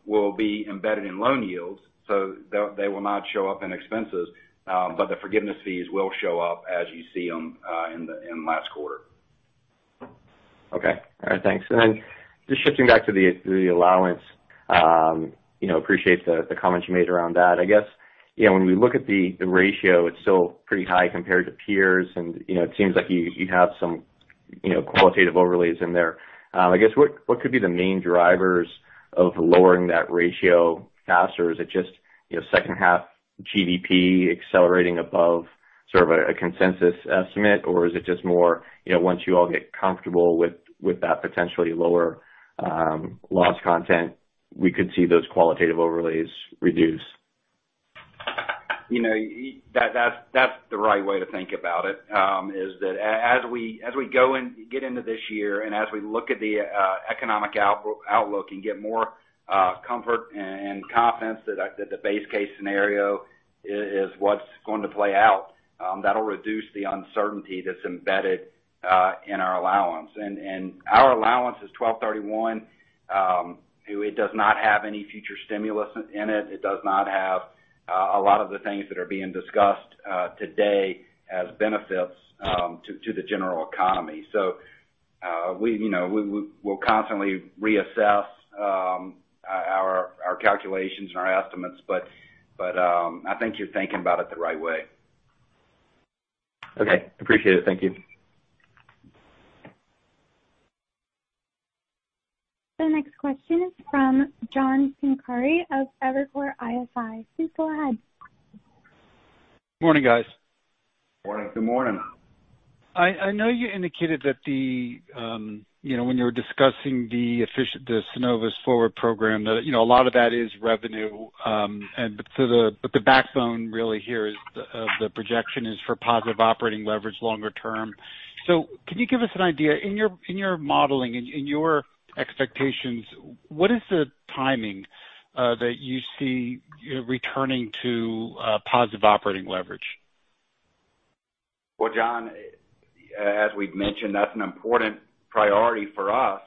will be embedded in loan yields, so they will not show up in expenses. The forgiveness fees will show up as you see them in last quarter. Okay. All right. Thanks. Then just shifting back to the allowance. Appreciate the comments you made around that. I guess, when we look at the ratio, it's still pretty high compared to peers, and it seems like you have some qualitative overlays in there. I guess, what could be the main drivers of lowering that ratio faster? Is it just second half GDP accelerating above sort of a consensus estimate, or is it just more once you all get comfortable with that potentially lower loss content. We could see those qualitative overlays reduce. That's the right way to think about it, is that as we go and get into this year, and as we look at the economic outlook and get more comfort and confidence that the base case scenario is what's going to play out, that'll reduce the uncertainty that's embedded in our allowance. Our allowance is 1231. It does not have any future stimulus in it. It does not have a lot of the things that are being discussed today as benefits to the general economy. We'll constantly reassess our calculations and our estimates. I think you're thinking about it the right way. Okay. Appreciate it. Thank you. The next question is from John Pancari of Evercore ISI. Please go ahead. Morning, guys. Good morning. Good morning. I know you indicated that when you were discussing the Synovus Forward program, that a lot of that is revenue. The backbone really here is the projection is for positive operating leverage longer term. Can you give us an idea, in your modeling, in your expectations, what is the timing that you see returning to positive operating leverage? Well, John, as we've mentioned, that's an important priority for us.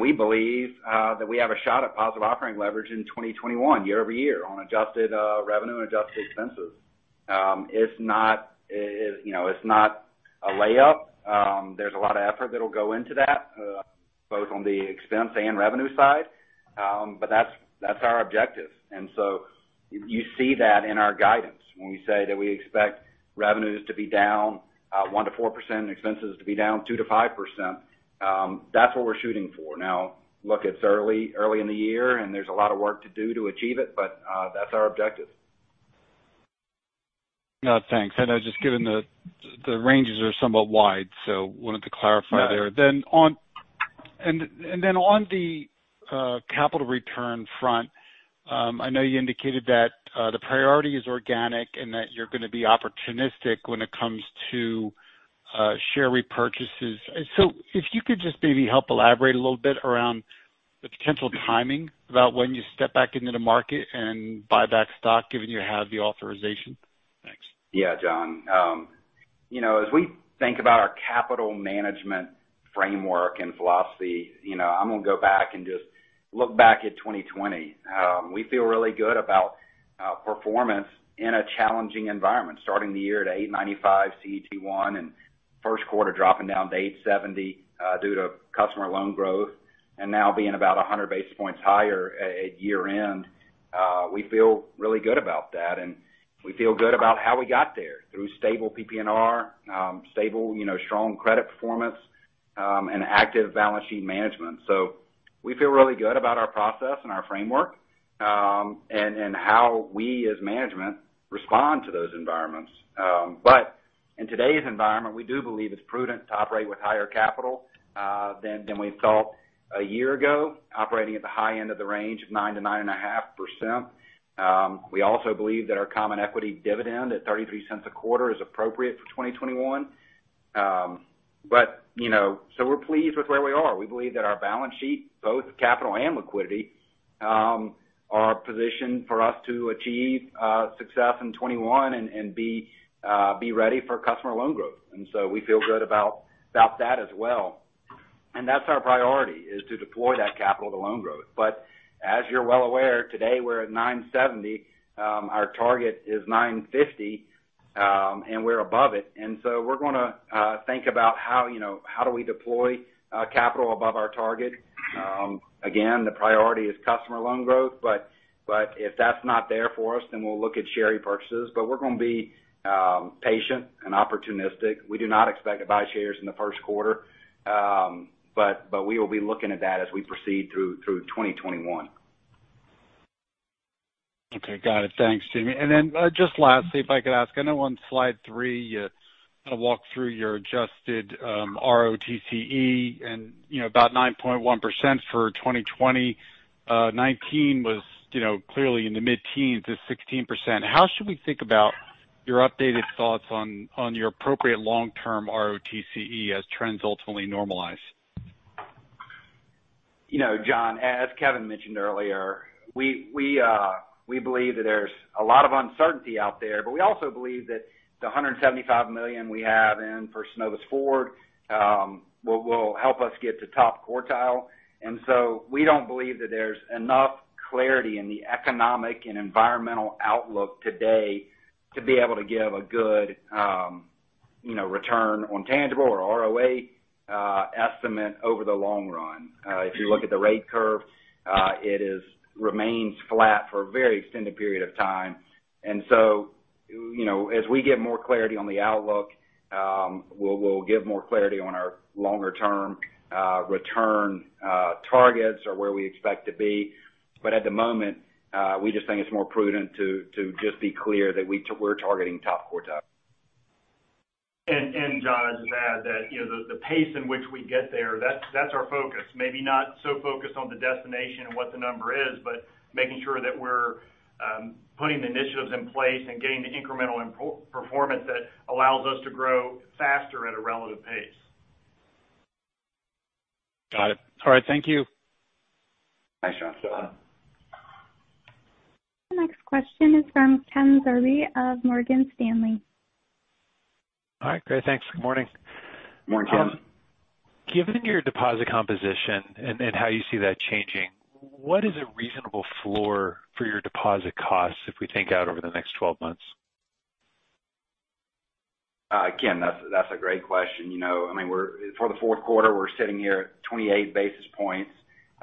We believe that we have a shot at positive operating leverage in 2021, year-over-year on adjusted revenue and adjusted expenses. It's not a layup. There's a lot of effort that'll go into that, both on the expense and revenue side. That's our objective. You see that in our guidance when we say that we expect revenues to be down 1%-4% and expenses to be down 2%-5%. That's what we're shooting for. Now, look, it's early in the year, and there's a lot of work to do to achieve it, but that's our objective. No, thanks. I know just given the ranges are somewhat wide, so wanted to clarify there. Right. On the capital return front, I know you indicated that the priority is organic and that you're going to be opportunistic when it comes to share repurchases. If you could just maybe help elaborate a little bit around the potential timing about when you step back into the market and buy back stock, given you have the authorization. Thanks. John. As we think about our capital management framework and philosophy, I'm going to go back and just look back at 2020. We feel really good about performance in a challenging environment, starting the year at 895 CET1 and first quarter dropping down to 870 due to customer loan growth and now being about 100 basis points higher at year end. We feel really good about that, and we feel good about how we got there through stable PPNR, stable, strong credit performance, and active balance sheet management. We feel really good about our process and our framework, and how we as management respond to those environments. In today's environment, we do believe it's prudent to operate with higher capital than we saw a year ago, operating at the high end of the range of 9%-9.5%. We also believe that our common equity dividend at $0.33 a quarter is appropriate for 2021. We're pleased with where we are. We believe that our balance sheet, both capital and liquidity, are positioned for us to achieve success in 2021 and be ready for customer loan growth. We feel good about that as well. That's our priority, is to deploy that capital to loan growth. As you're well aware, today we're at 970. Our target is 950, and we're above it. We're going to think about how do we deploy capital above our target. Again, the priority is customer loan growth, but if that's not there for us, then we'll look at share repurchases. We're going to be patient and opportunistic. We do not expect to buy shares in the first quarter. We will be looking at that as we proceed through 2021. Okay. Got it. Thanks, Jamie. Just lastly, if I could ask, I know on slide three, you kind of walk through your adjusted ROTCE and about 9.1% for 2020. 2019 was clearly in the mid-teens at 16%. How should we think about your updated thoughts on your appropriate long-term ROTCE as trends ultimately normalize? John, as Kevin mentioned earlier, we believe that there's a lot of uncertainty out there. We also believe that the $175 million we have in for Synovus Forward will help us get to top quartile. We don't believe that there's enough clarity in the economic and environmental outlook today to be able to give a good return on tangible or ROA estimate over the long run. If you look at the rate curve, it remains flat for a very extended period of time. As we get more clarity on the outlook, we'll give more clarity on our longer-term return targets or where we expect to be. At the moment, we just think it's more prudent to just be clear that we're targeting top quartile. John, I'd just add that the pace in which we get there, that's our focus. Maybe not so focused on the destination and what the number is, but making sure that we're putting the initiatives in place and getting the incremental performance that allows us to grow faster at a relative pace. Got it. All right, thank you. Thanks, John. The next question is from Ken Zerbe of Morgan Stanley. Hi, great. Thanks. Good morning. Morning, Ken. Given your deposit composition and how you see that changing, what is a reasonable floor for your deposit costs if we think out over the next 12 months? Ken, that's a great question. For the fourth quarter, we're sitting here at 28 basis points.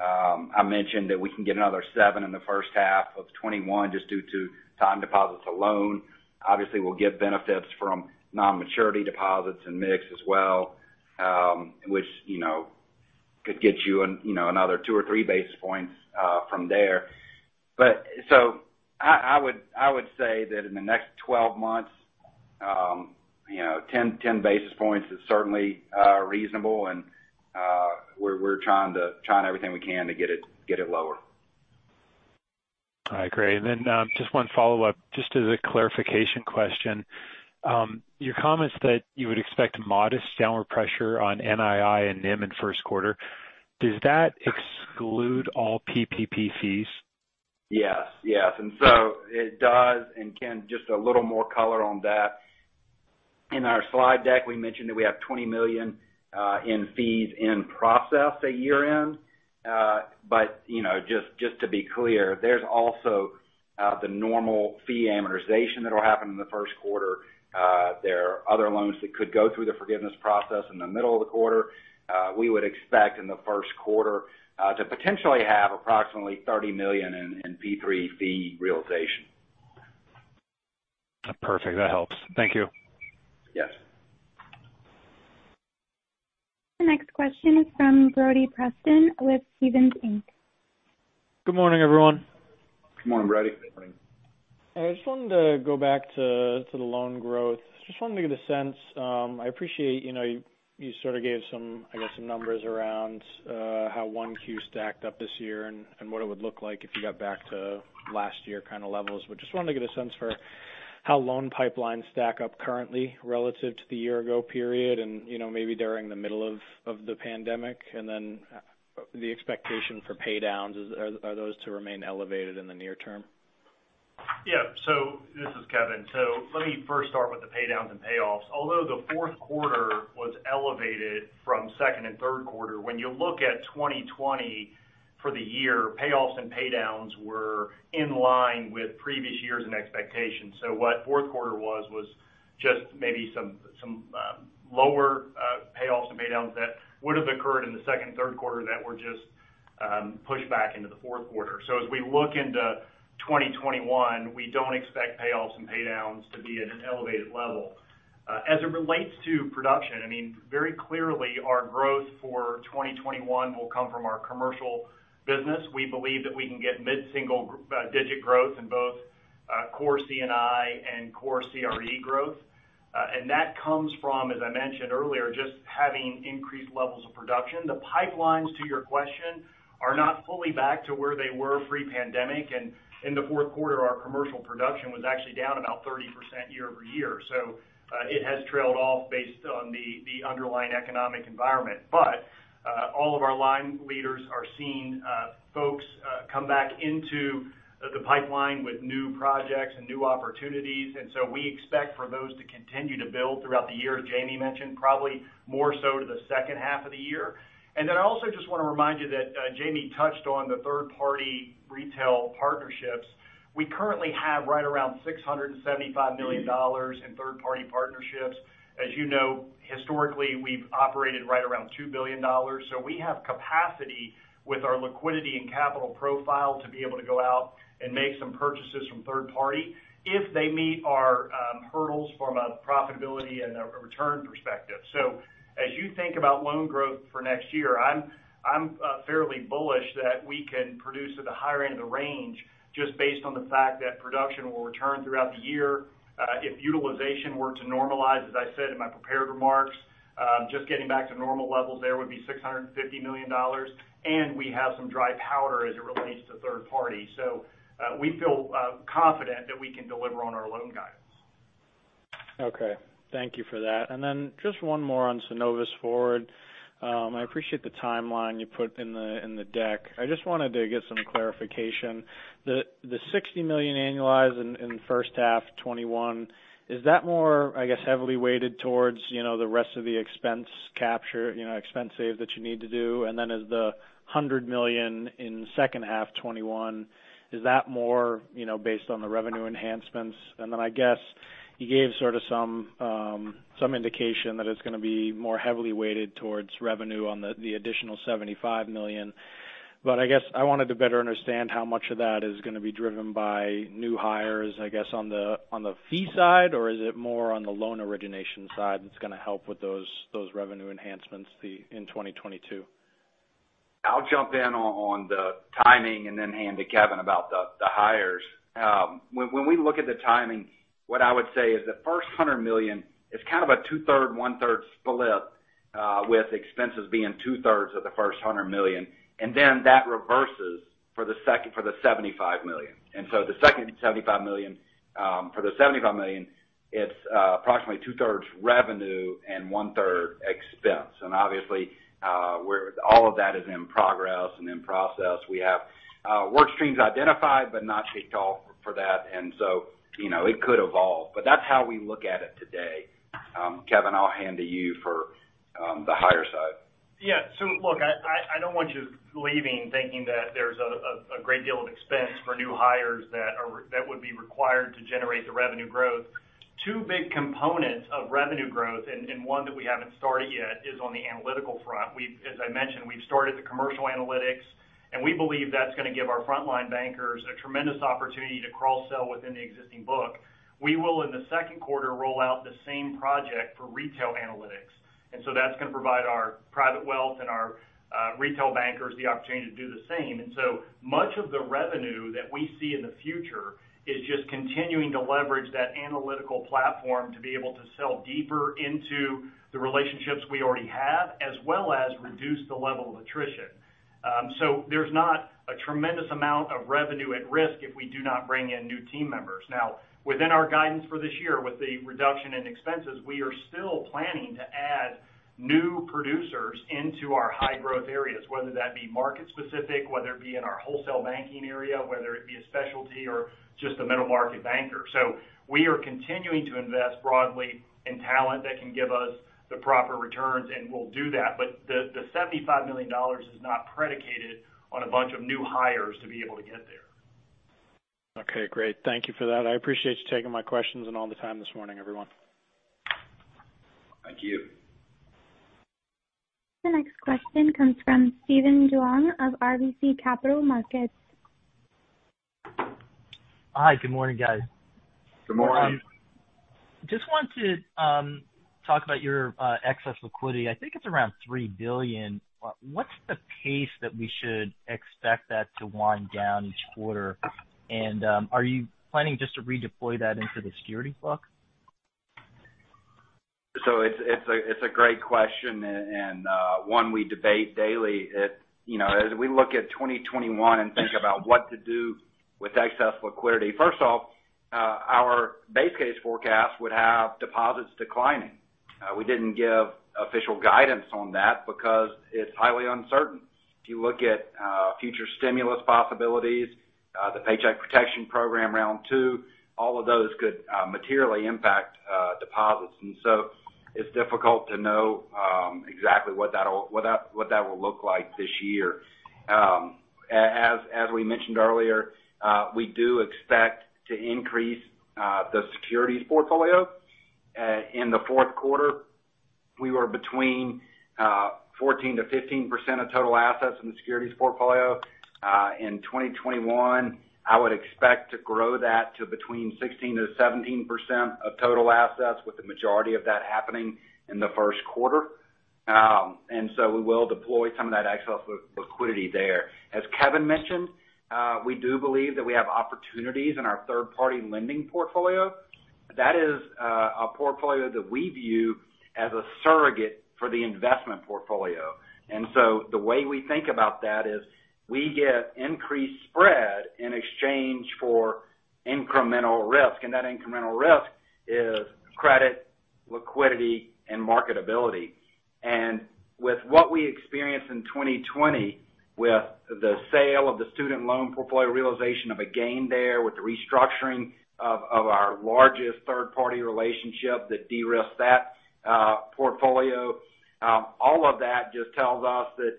I mentioned that we can get another seven in the first half of 2021 just due to time deposits alone. Obviously, we'll get benefits from non-maturity deposits and mix as well, which could get you another 2 or 3 basis points from there. I would say that in the next 12 months, 10 basis points is certainly reasonable and we're trying everything we can to get it lower. All right, great. Just one follow-up, just as a clarification question. Your comments that you would expect modest downward pressure on NII and NIM in first quarter, does that exclude all PPP fees? Yes. It does. Ken, just a little more color on that. In our slide deck, we mentioned that we have $20 million in fees in process at year-end. Just to be clear, there's also the normal fee amortization that'll happen in the first quarter. There are other loans that could go through the forgiveness process in the middle of the quarter. We would expect in the first quarter to potentially have approximately $30 million in P3 fee realization. Perfect. That helps. Thank you. Yes. The next question is from Brody Preston with Stephens Inc. Good morning, everyone. Good morning, Brody. Good morning. I just wanted to go back to the loan growth. Just wanted to get a sense. I appreciate you sort of gave some, I guess, numbers around how 1Q stacked up this year and what it would look like if you got back to last year kind of levels. Just wanted to get a sense for how loan pipelines stack up currently relative to the year ago period and maybe during the middle of the pandemic, and then the expectation for pay downs. Are those to remain elevated in the near term? Yeah. This is Kevin. Let me first start with the pay downs and payoffs. Although the fourth quarter was elevated from second and third quarter, when you look at 2020 for the year, payoffs and pay downs were in line with previous years and expectations. What fourth quarter was just maybe some lower payoffs and pay downs that would've occurred in the second and third quarter that were just pushed back into the fourth quarter. As we look into 2021, we don't expect payoffs and pay downs to be at an elevated level. As it relates to production, very clearly our growth for 2021 will come from our commercial business. We believe that we can get mid-single digit growth in both core C&I and core CRE growth. That comes from, as I mentioned earlier, just having increased levels of production. The pipelines, to your question, are not fully back to where they were pre-pandemic. In the fourth quarter, our commercial production was actually down about 30% year-over-year. It has trailed off based on the underlying economic environment. All of our line leaders are seeing folks come back into the pipeline with new projects and new opportunities. We expect for those to continue to build throughout the year, as Jamie mentioned, probably more so to the second half of the year. I also just want to remind you that Jamie touched on the third-party retail partnerships. We currently have right around $675 million in third-party partnerships. As you know, historically, we've operated right around $2 billion. We have capacity with our liquidity and capital profile to be able to go out and make some purchases from third party if they meet our hurdles from a profitability and a return perspective. As you think about loan growth for next year, I'm fairly bullish that we can produce at the higher end of the range just based on the fact that production will return throughout the year. If utilization were to normalize, as I said in my prepared remarks, just getting back to normal levels there would be $650 million, and we have some dry powder as it relates to third party. We feel confident that we can deliver on our loan guidance. Okay. Thank you for that. Just one more on Synovus Forward. I appreciate the timeline you put in the deck. I just wanted to get some clarification. The $60 million annualized in first half 2021, is that more, I guess, heavily weighted towards the rest of the expense capture, expense save that you need to do? As the $100 million in second half 2021, is that more based on the revenue enhancements? I guess you gave sort of some indication that it's going to be more heavily weighted towards revenue on the additional $75 million. I guess I wanted to better understand how much of that is going to be driven by new hires, I guess, on the fee side, or is it more on the loan origination side that's going to help with those revenue enhancements in 2022? I'll jump in on the timing and then hand to Kevin about the hires. When we look at the timing, what I would say is the first $100 million is kind of a 2/3:1/3 split, with expenses being 2/3 of the first $100 million. That reverses for the $75 million. For the $75 million, it's approximately 2/3 revenue and 1/3 expense. Obviously, all of that is in progress and in process. We have work streams identified but not ticked off for that. It could evolve. That's how we look at it today. Kevin, I'll hand to you for the hire side. Yeah. Look, I don't want you leaving thinking that there's a great deal of expense for new hires that would be required to generate the revenue growth. Two big components of revenue growth, and one that we haven't started yet, is on the analytical front. As I mentioned, we've started the commercial analytics, and we believe that's going to give our frontline bankers a tremendous opportunity to cross-sell within the existing book. We will, in the second quarter, roll out the same project for retail analytics. That's going to provide our private wealth and our retail bankers the opportunity to do the same. Much of the revenue that we see in the future is just continuing to leverage that analytical platform to be able to sell deeper into the relationships we already have, as well as reduce the level of attrition. There's not a tremendous amount of revenue at risk if we do not bring in new team members. Within our guidance for this year, with the reduction in expenses, we are still planning to add new producers into our high growth areas, whether that be market specific, whether it be in our wholesale banking area, whether it be a specialty or just a middle market banker. We are continuing to invest broadly in talent that can give us the proper returns, and we'll do that. The $75 million is not predicated on a bunch of new hires to be able to get there. Okay, great. Thank you for that. I appreciate you taking my questions and all the time this morning, everyone. Thank you. The next question comes from Steven Duong of RBC Capital Markets. Hi. Good morning, guys. Good morning. Morning. Just wanted to talk about your excess liquidity. I think it's around $3 billion. What's the pace that we should expect that to wind down each quarter? Are you planning just to redeploy that into the security book? It's a great question and one we debate daily. As we look at 2021 and think about what to do with excess liquidity, first off, our base case forecast would have deposits declining. We didn't give official guidance on that because it's highly uncertain. If you look at future stimulus possibilities, the Paycheck Protection Program round two, all of those could materially impact deposits. It's difficult to know exactly what that will look like this year. As we mentioned earlier, we do expect to increase the securities portfolio. In the fourth quarter, we were between 14%-15% of total assets in the securities portfolio. In 2021, I would expect to grow that to between 16%-17% of total assets, with the majority of that happening in the first quarter. We will deploy some of that excess liquidity there. As Kevin mentioned, we do believe that we have opportunities in our third-party lending portfolio. That is a portfolio that we view as a surrogate for the investment portfolio. The way we think about that is we get increased spread in exchange for incremental risk. That incremental risk is credit, liquidity, and marketability. With what we experienced in 2020, with the sale of the student loan portfolio realization of a gain there, with the restructuring of our largest third-party relationship that de-risked that portfolio, all of that just tells us that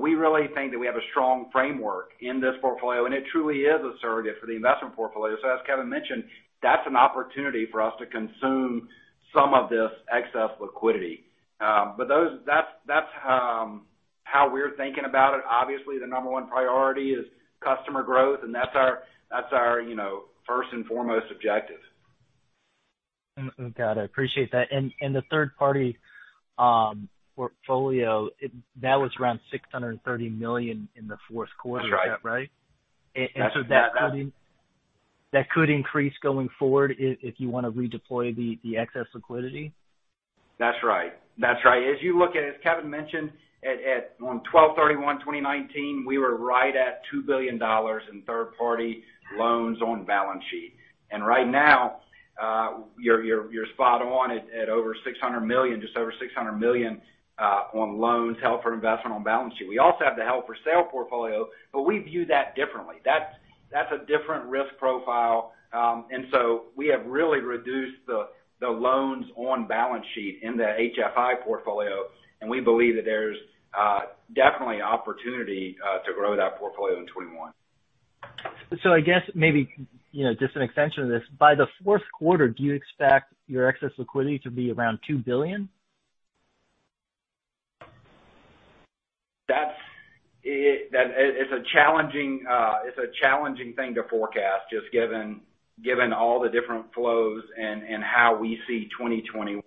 we really think that we have a strong framework in this portfolio, and it truly is a surrogate for the investment portfolio. As Kevin mentioned, that's an opportunity for us to consume some of this excess liquidity. That's how we're thinking about it. Obviously, the number one priority is customer growth, and that's our first and foremost objective. Got it. Appreciate that. The third party portfolio, that was around $630 million in the fourth quarter. That's right. Is that right? That's exactly-- That could increase going forward if you want to redeploy the excess liquidity? That's right. As Kevin mentioned, on 12/31/2019, we were right at $2 billion in third-party loans on balance sheet. Right now, you're spot on at over $600 million, just over $600 million, on loans held for investment on balance sheet. We also have the held for sale portfolio. We view that differently. That's a different risk profile. We have really reduced the loans on balance sheet in the HFI portfolio, and we believe that there's definitely opportunity to grow that portfolio in 2021. I guess maybe just an extension of this, by the fourth quarter, do you expect your excess liquidity to be around $2 billion? It's a challenging thing to forecast just given all the different flows and how we see 2021.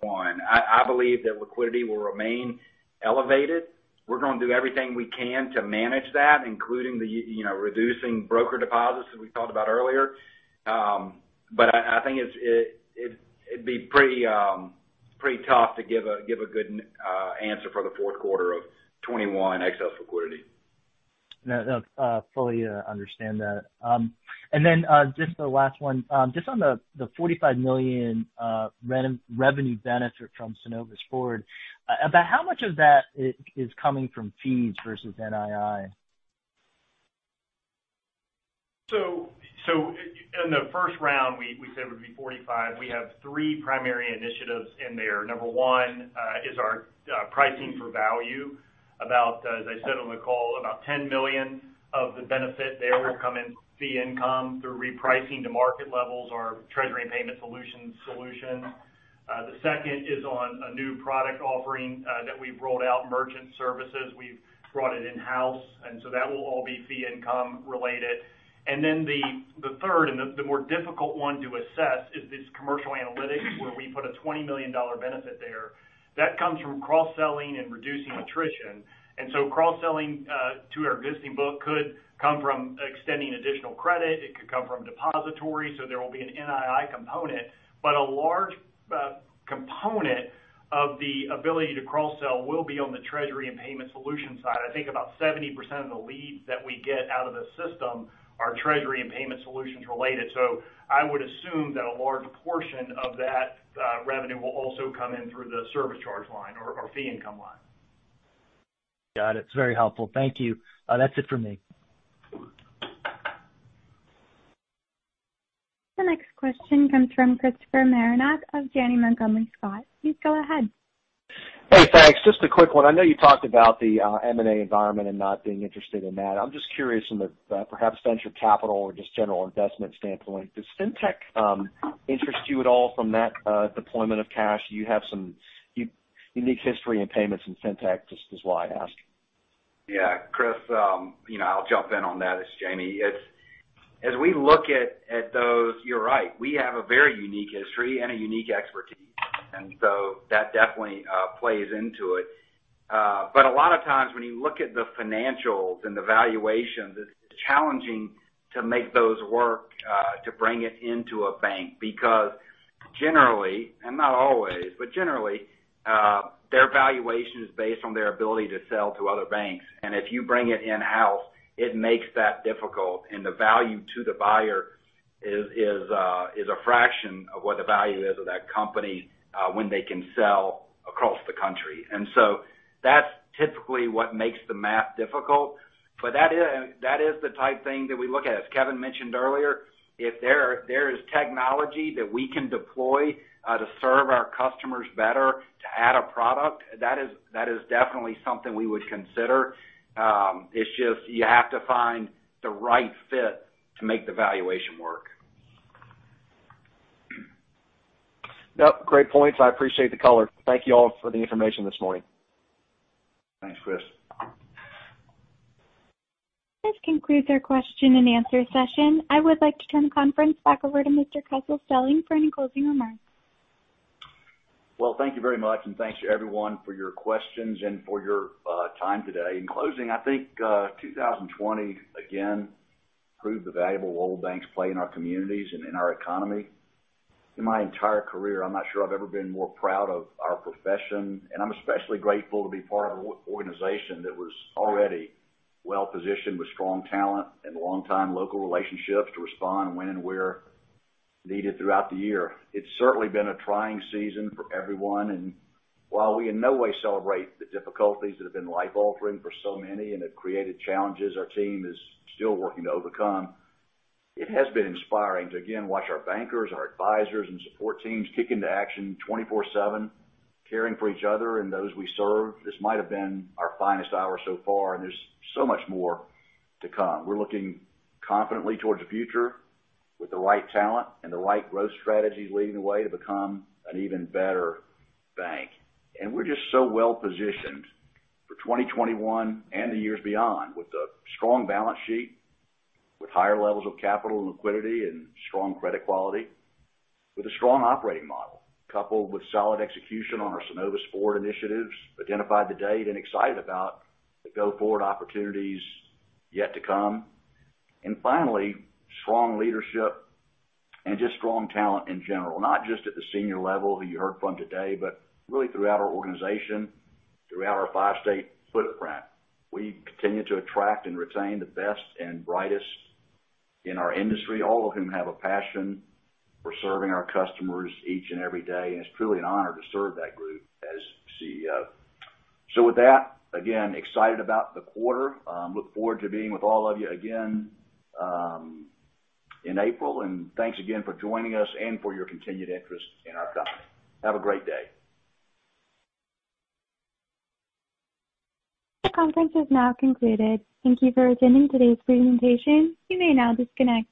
I believe that liquidity will remain elevated, we're going to do everything we can to manage that, including reducing broker deposits, as we talked about earlier. I think it'd be pretty tough to give a good answer for the fourth quarter of 2021 excess liquidity. No, fully understand that. Just the last one, just on the $45 million revenue benefit from Synovus Forward, about how much of that is coming from fees versus NII? In the first round, we said it would be 45. We have three primary initiatives in there. Number one is our pricing for value. As I said on the call, about $10 million of the benefit there will come in fee income through repricing to market levels, our treasury and payment solutions solution. The second is on a new product offering that we've rolled out, merchant services. We've brought it in-house, that will all be fee income related. The third, and the more difficult one to assess, is this commercial analytics where we put a $20 million benefit there. That comes from cross-selling and reducing attrition. Cross-selling to our existing book could come from extending additional credit. It could come from depository, so there will be an NII component. A large component of the ability to cross-sell will be on the treasury and payment solution side. I think about 70% of the leads that we get out of the system are treasury and payment solutions related. I would assume that a large portion of that revenue will also come in through the service charge line or fee income line. Got it. It's very helpful. Thank you. That's it for me. The next question comes from Chris Marinac of Janney Montgomery Scott. Please go ahead. Hey, thanks. Just a quick one. I know you talked about the M&A environment and not being interested in that. I'm just curious from the perhaps venture capital or just general investment standpoint, does fintech interest you at all from that deployment of cash? You have some unique history in payments and fintech. This is why I ask. Yeah, Chris, I'll jump in on that, it's Jamie. As we look at those, you're right. We have a very unique history and a unique expertise, that definitely plays into it. A lot of times when you look at the financials and the valuations, it's challenging to make those work to bring it into a bank because generally, and not always, but generally, their valuation is based on their ability to sell to other banks. If you bring it in-house, it makes that difficult, and the value to the buyer is a fraction of what the value is of that company when they can sell across the country. That's typically what makes the math difficult. That is the type of thing that we look at. As Kevin mentioned earlier, if there is technology that we can deploy to serve our customers better to add a product, that is definitely something we would consider. It's just you have to find the right fit to make the valuation work. Yep, great points. I appreciate the color. Thank you all for the information this morning. Thanks, Chris. This concludes our question and answer session. I would like to turn the conference back over to Mr. Kessel Stelling for any closing remarks. Well, thank you very much, and thanks to everyone for your questions and for your time today. In closing, I think 2020, again, proved the valuable role banks play in our communities and in our economy. In my entire career, I'm not sure I've ever been more proud of our profession, and I'm especially grateful to be part of an organization that was already well-positioned with strong talent and longtime local relationships to respond when and where needed throughout the year. It's certainly been a trying season for everyone, and while we in no way celebrate the difficulties that have been life altering for so many and have created challenges our team is still working to overcome, it has been inspiring to again watch our bankers, our advisors, and support teams kick into action 24/7, caring for each other and those we serve. This might have been our finest hour so far, and there's so much more to come. We're looking confidently towards the future with the right talent and the right growth strategies leading the way to become an even better bank. We're just so well-positioned for 2021 and the years beyond with a strong balance sheet, with higher levels of capital and liquidity and strong credit quality, with a strong operating model coupled with solid execution on our Synovus Forward initiatives, identified today and excited about the go-forward opportunities yet to come. Finally, strong leadership and just strong talent in general, not just at the senior level who you heard from today, but really throughout our organization, throughout our five-state footprint. We continue to attract and retain the best and brightest in our industry, all of whom have a passion for serving our customers each and every day, and it's truly an honor to serve that group as CEO. With that, again, excited about the quarter. Look forward to being with all of you again in April, and thanks again for joining us and for your continued interest in our company. Have a great day. This conference is now concluded. Thank you for attending today's presentation. You may now disconnect.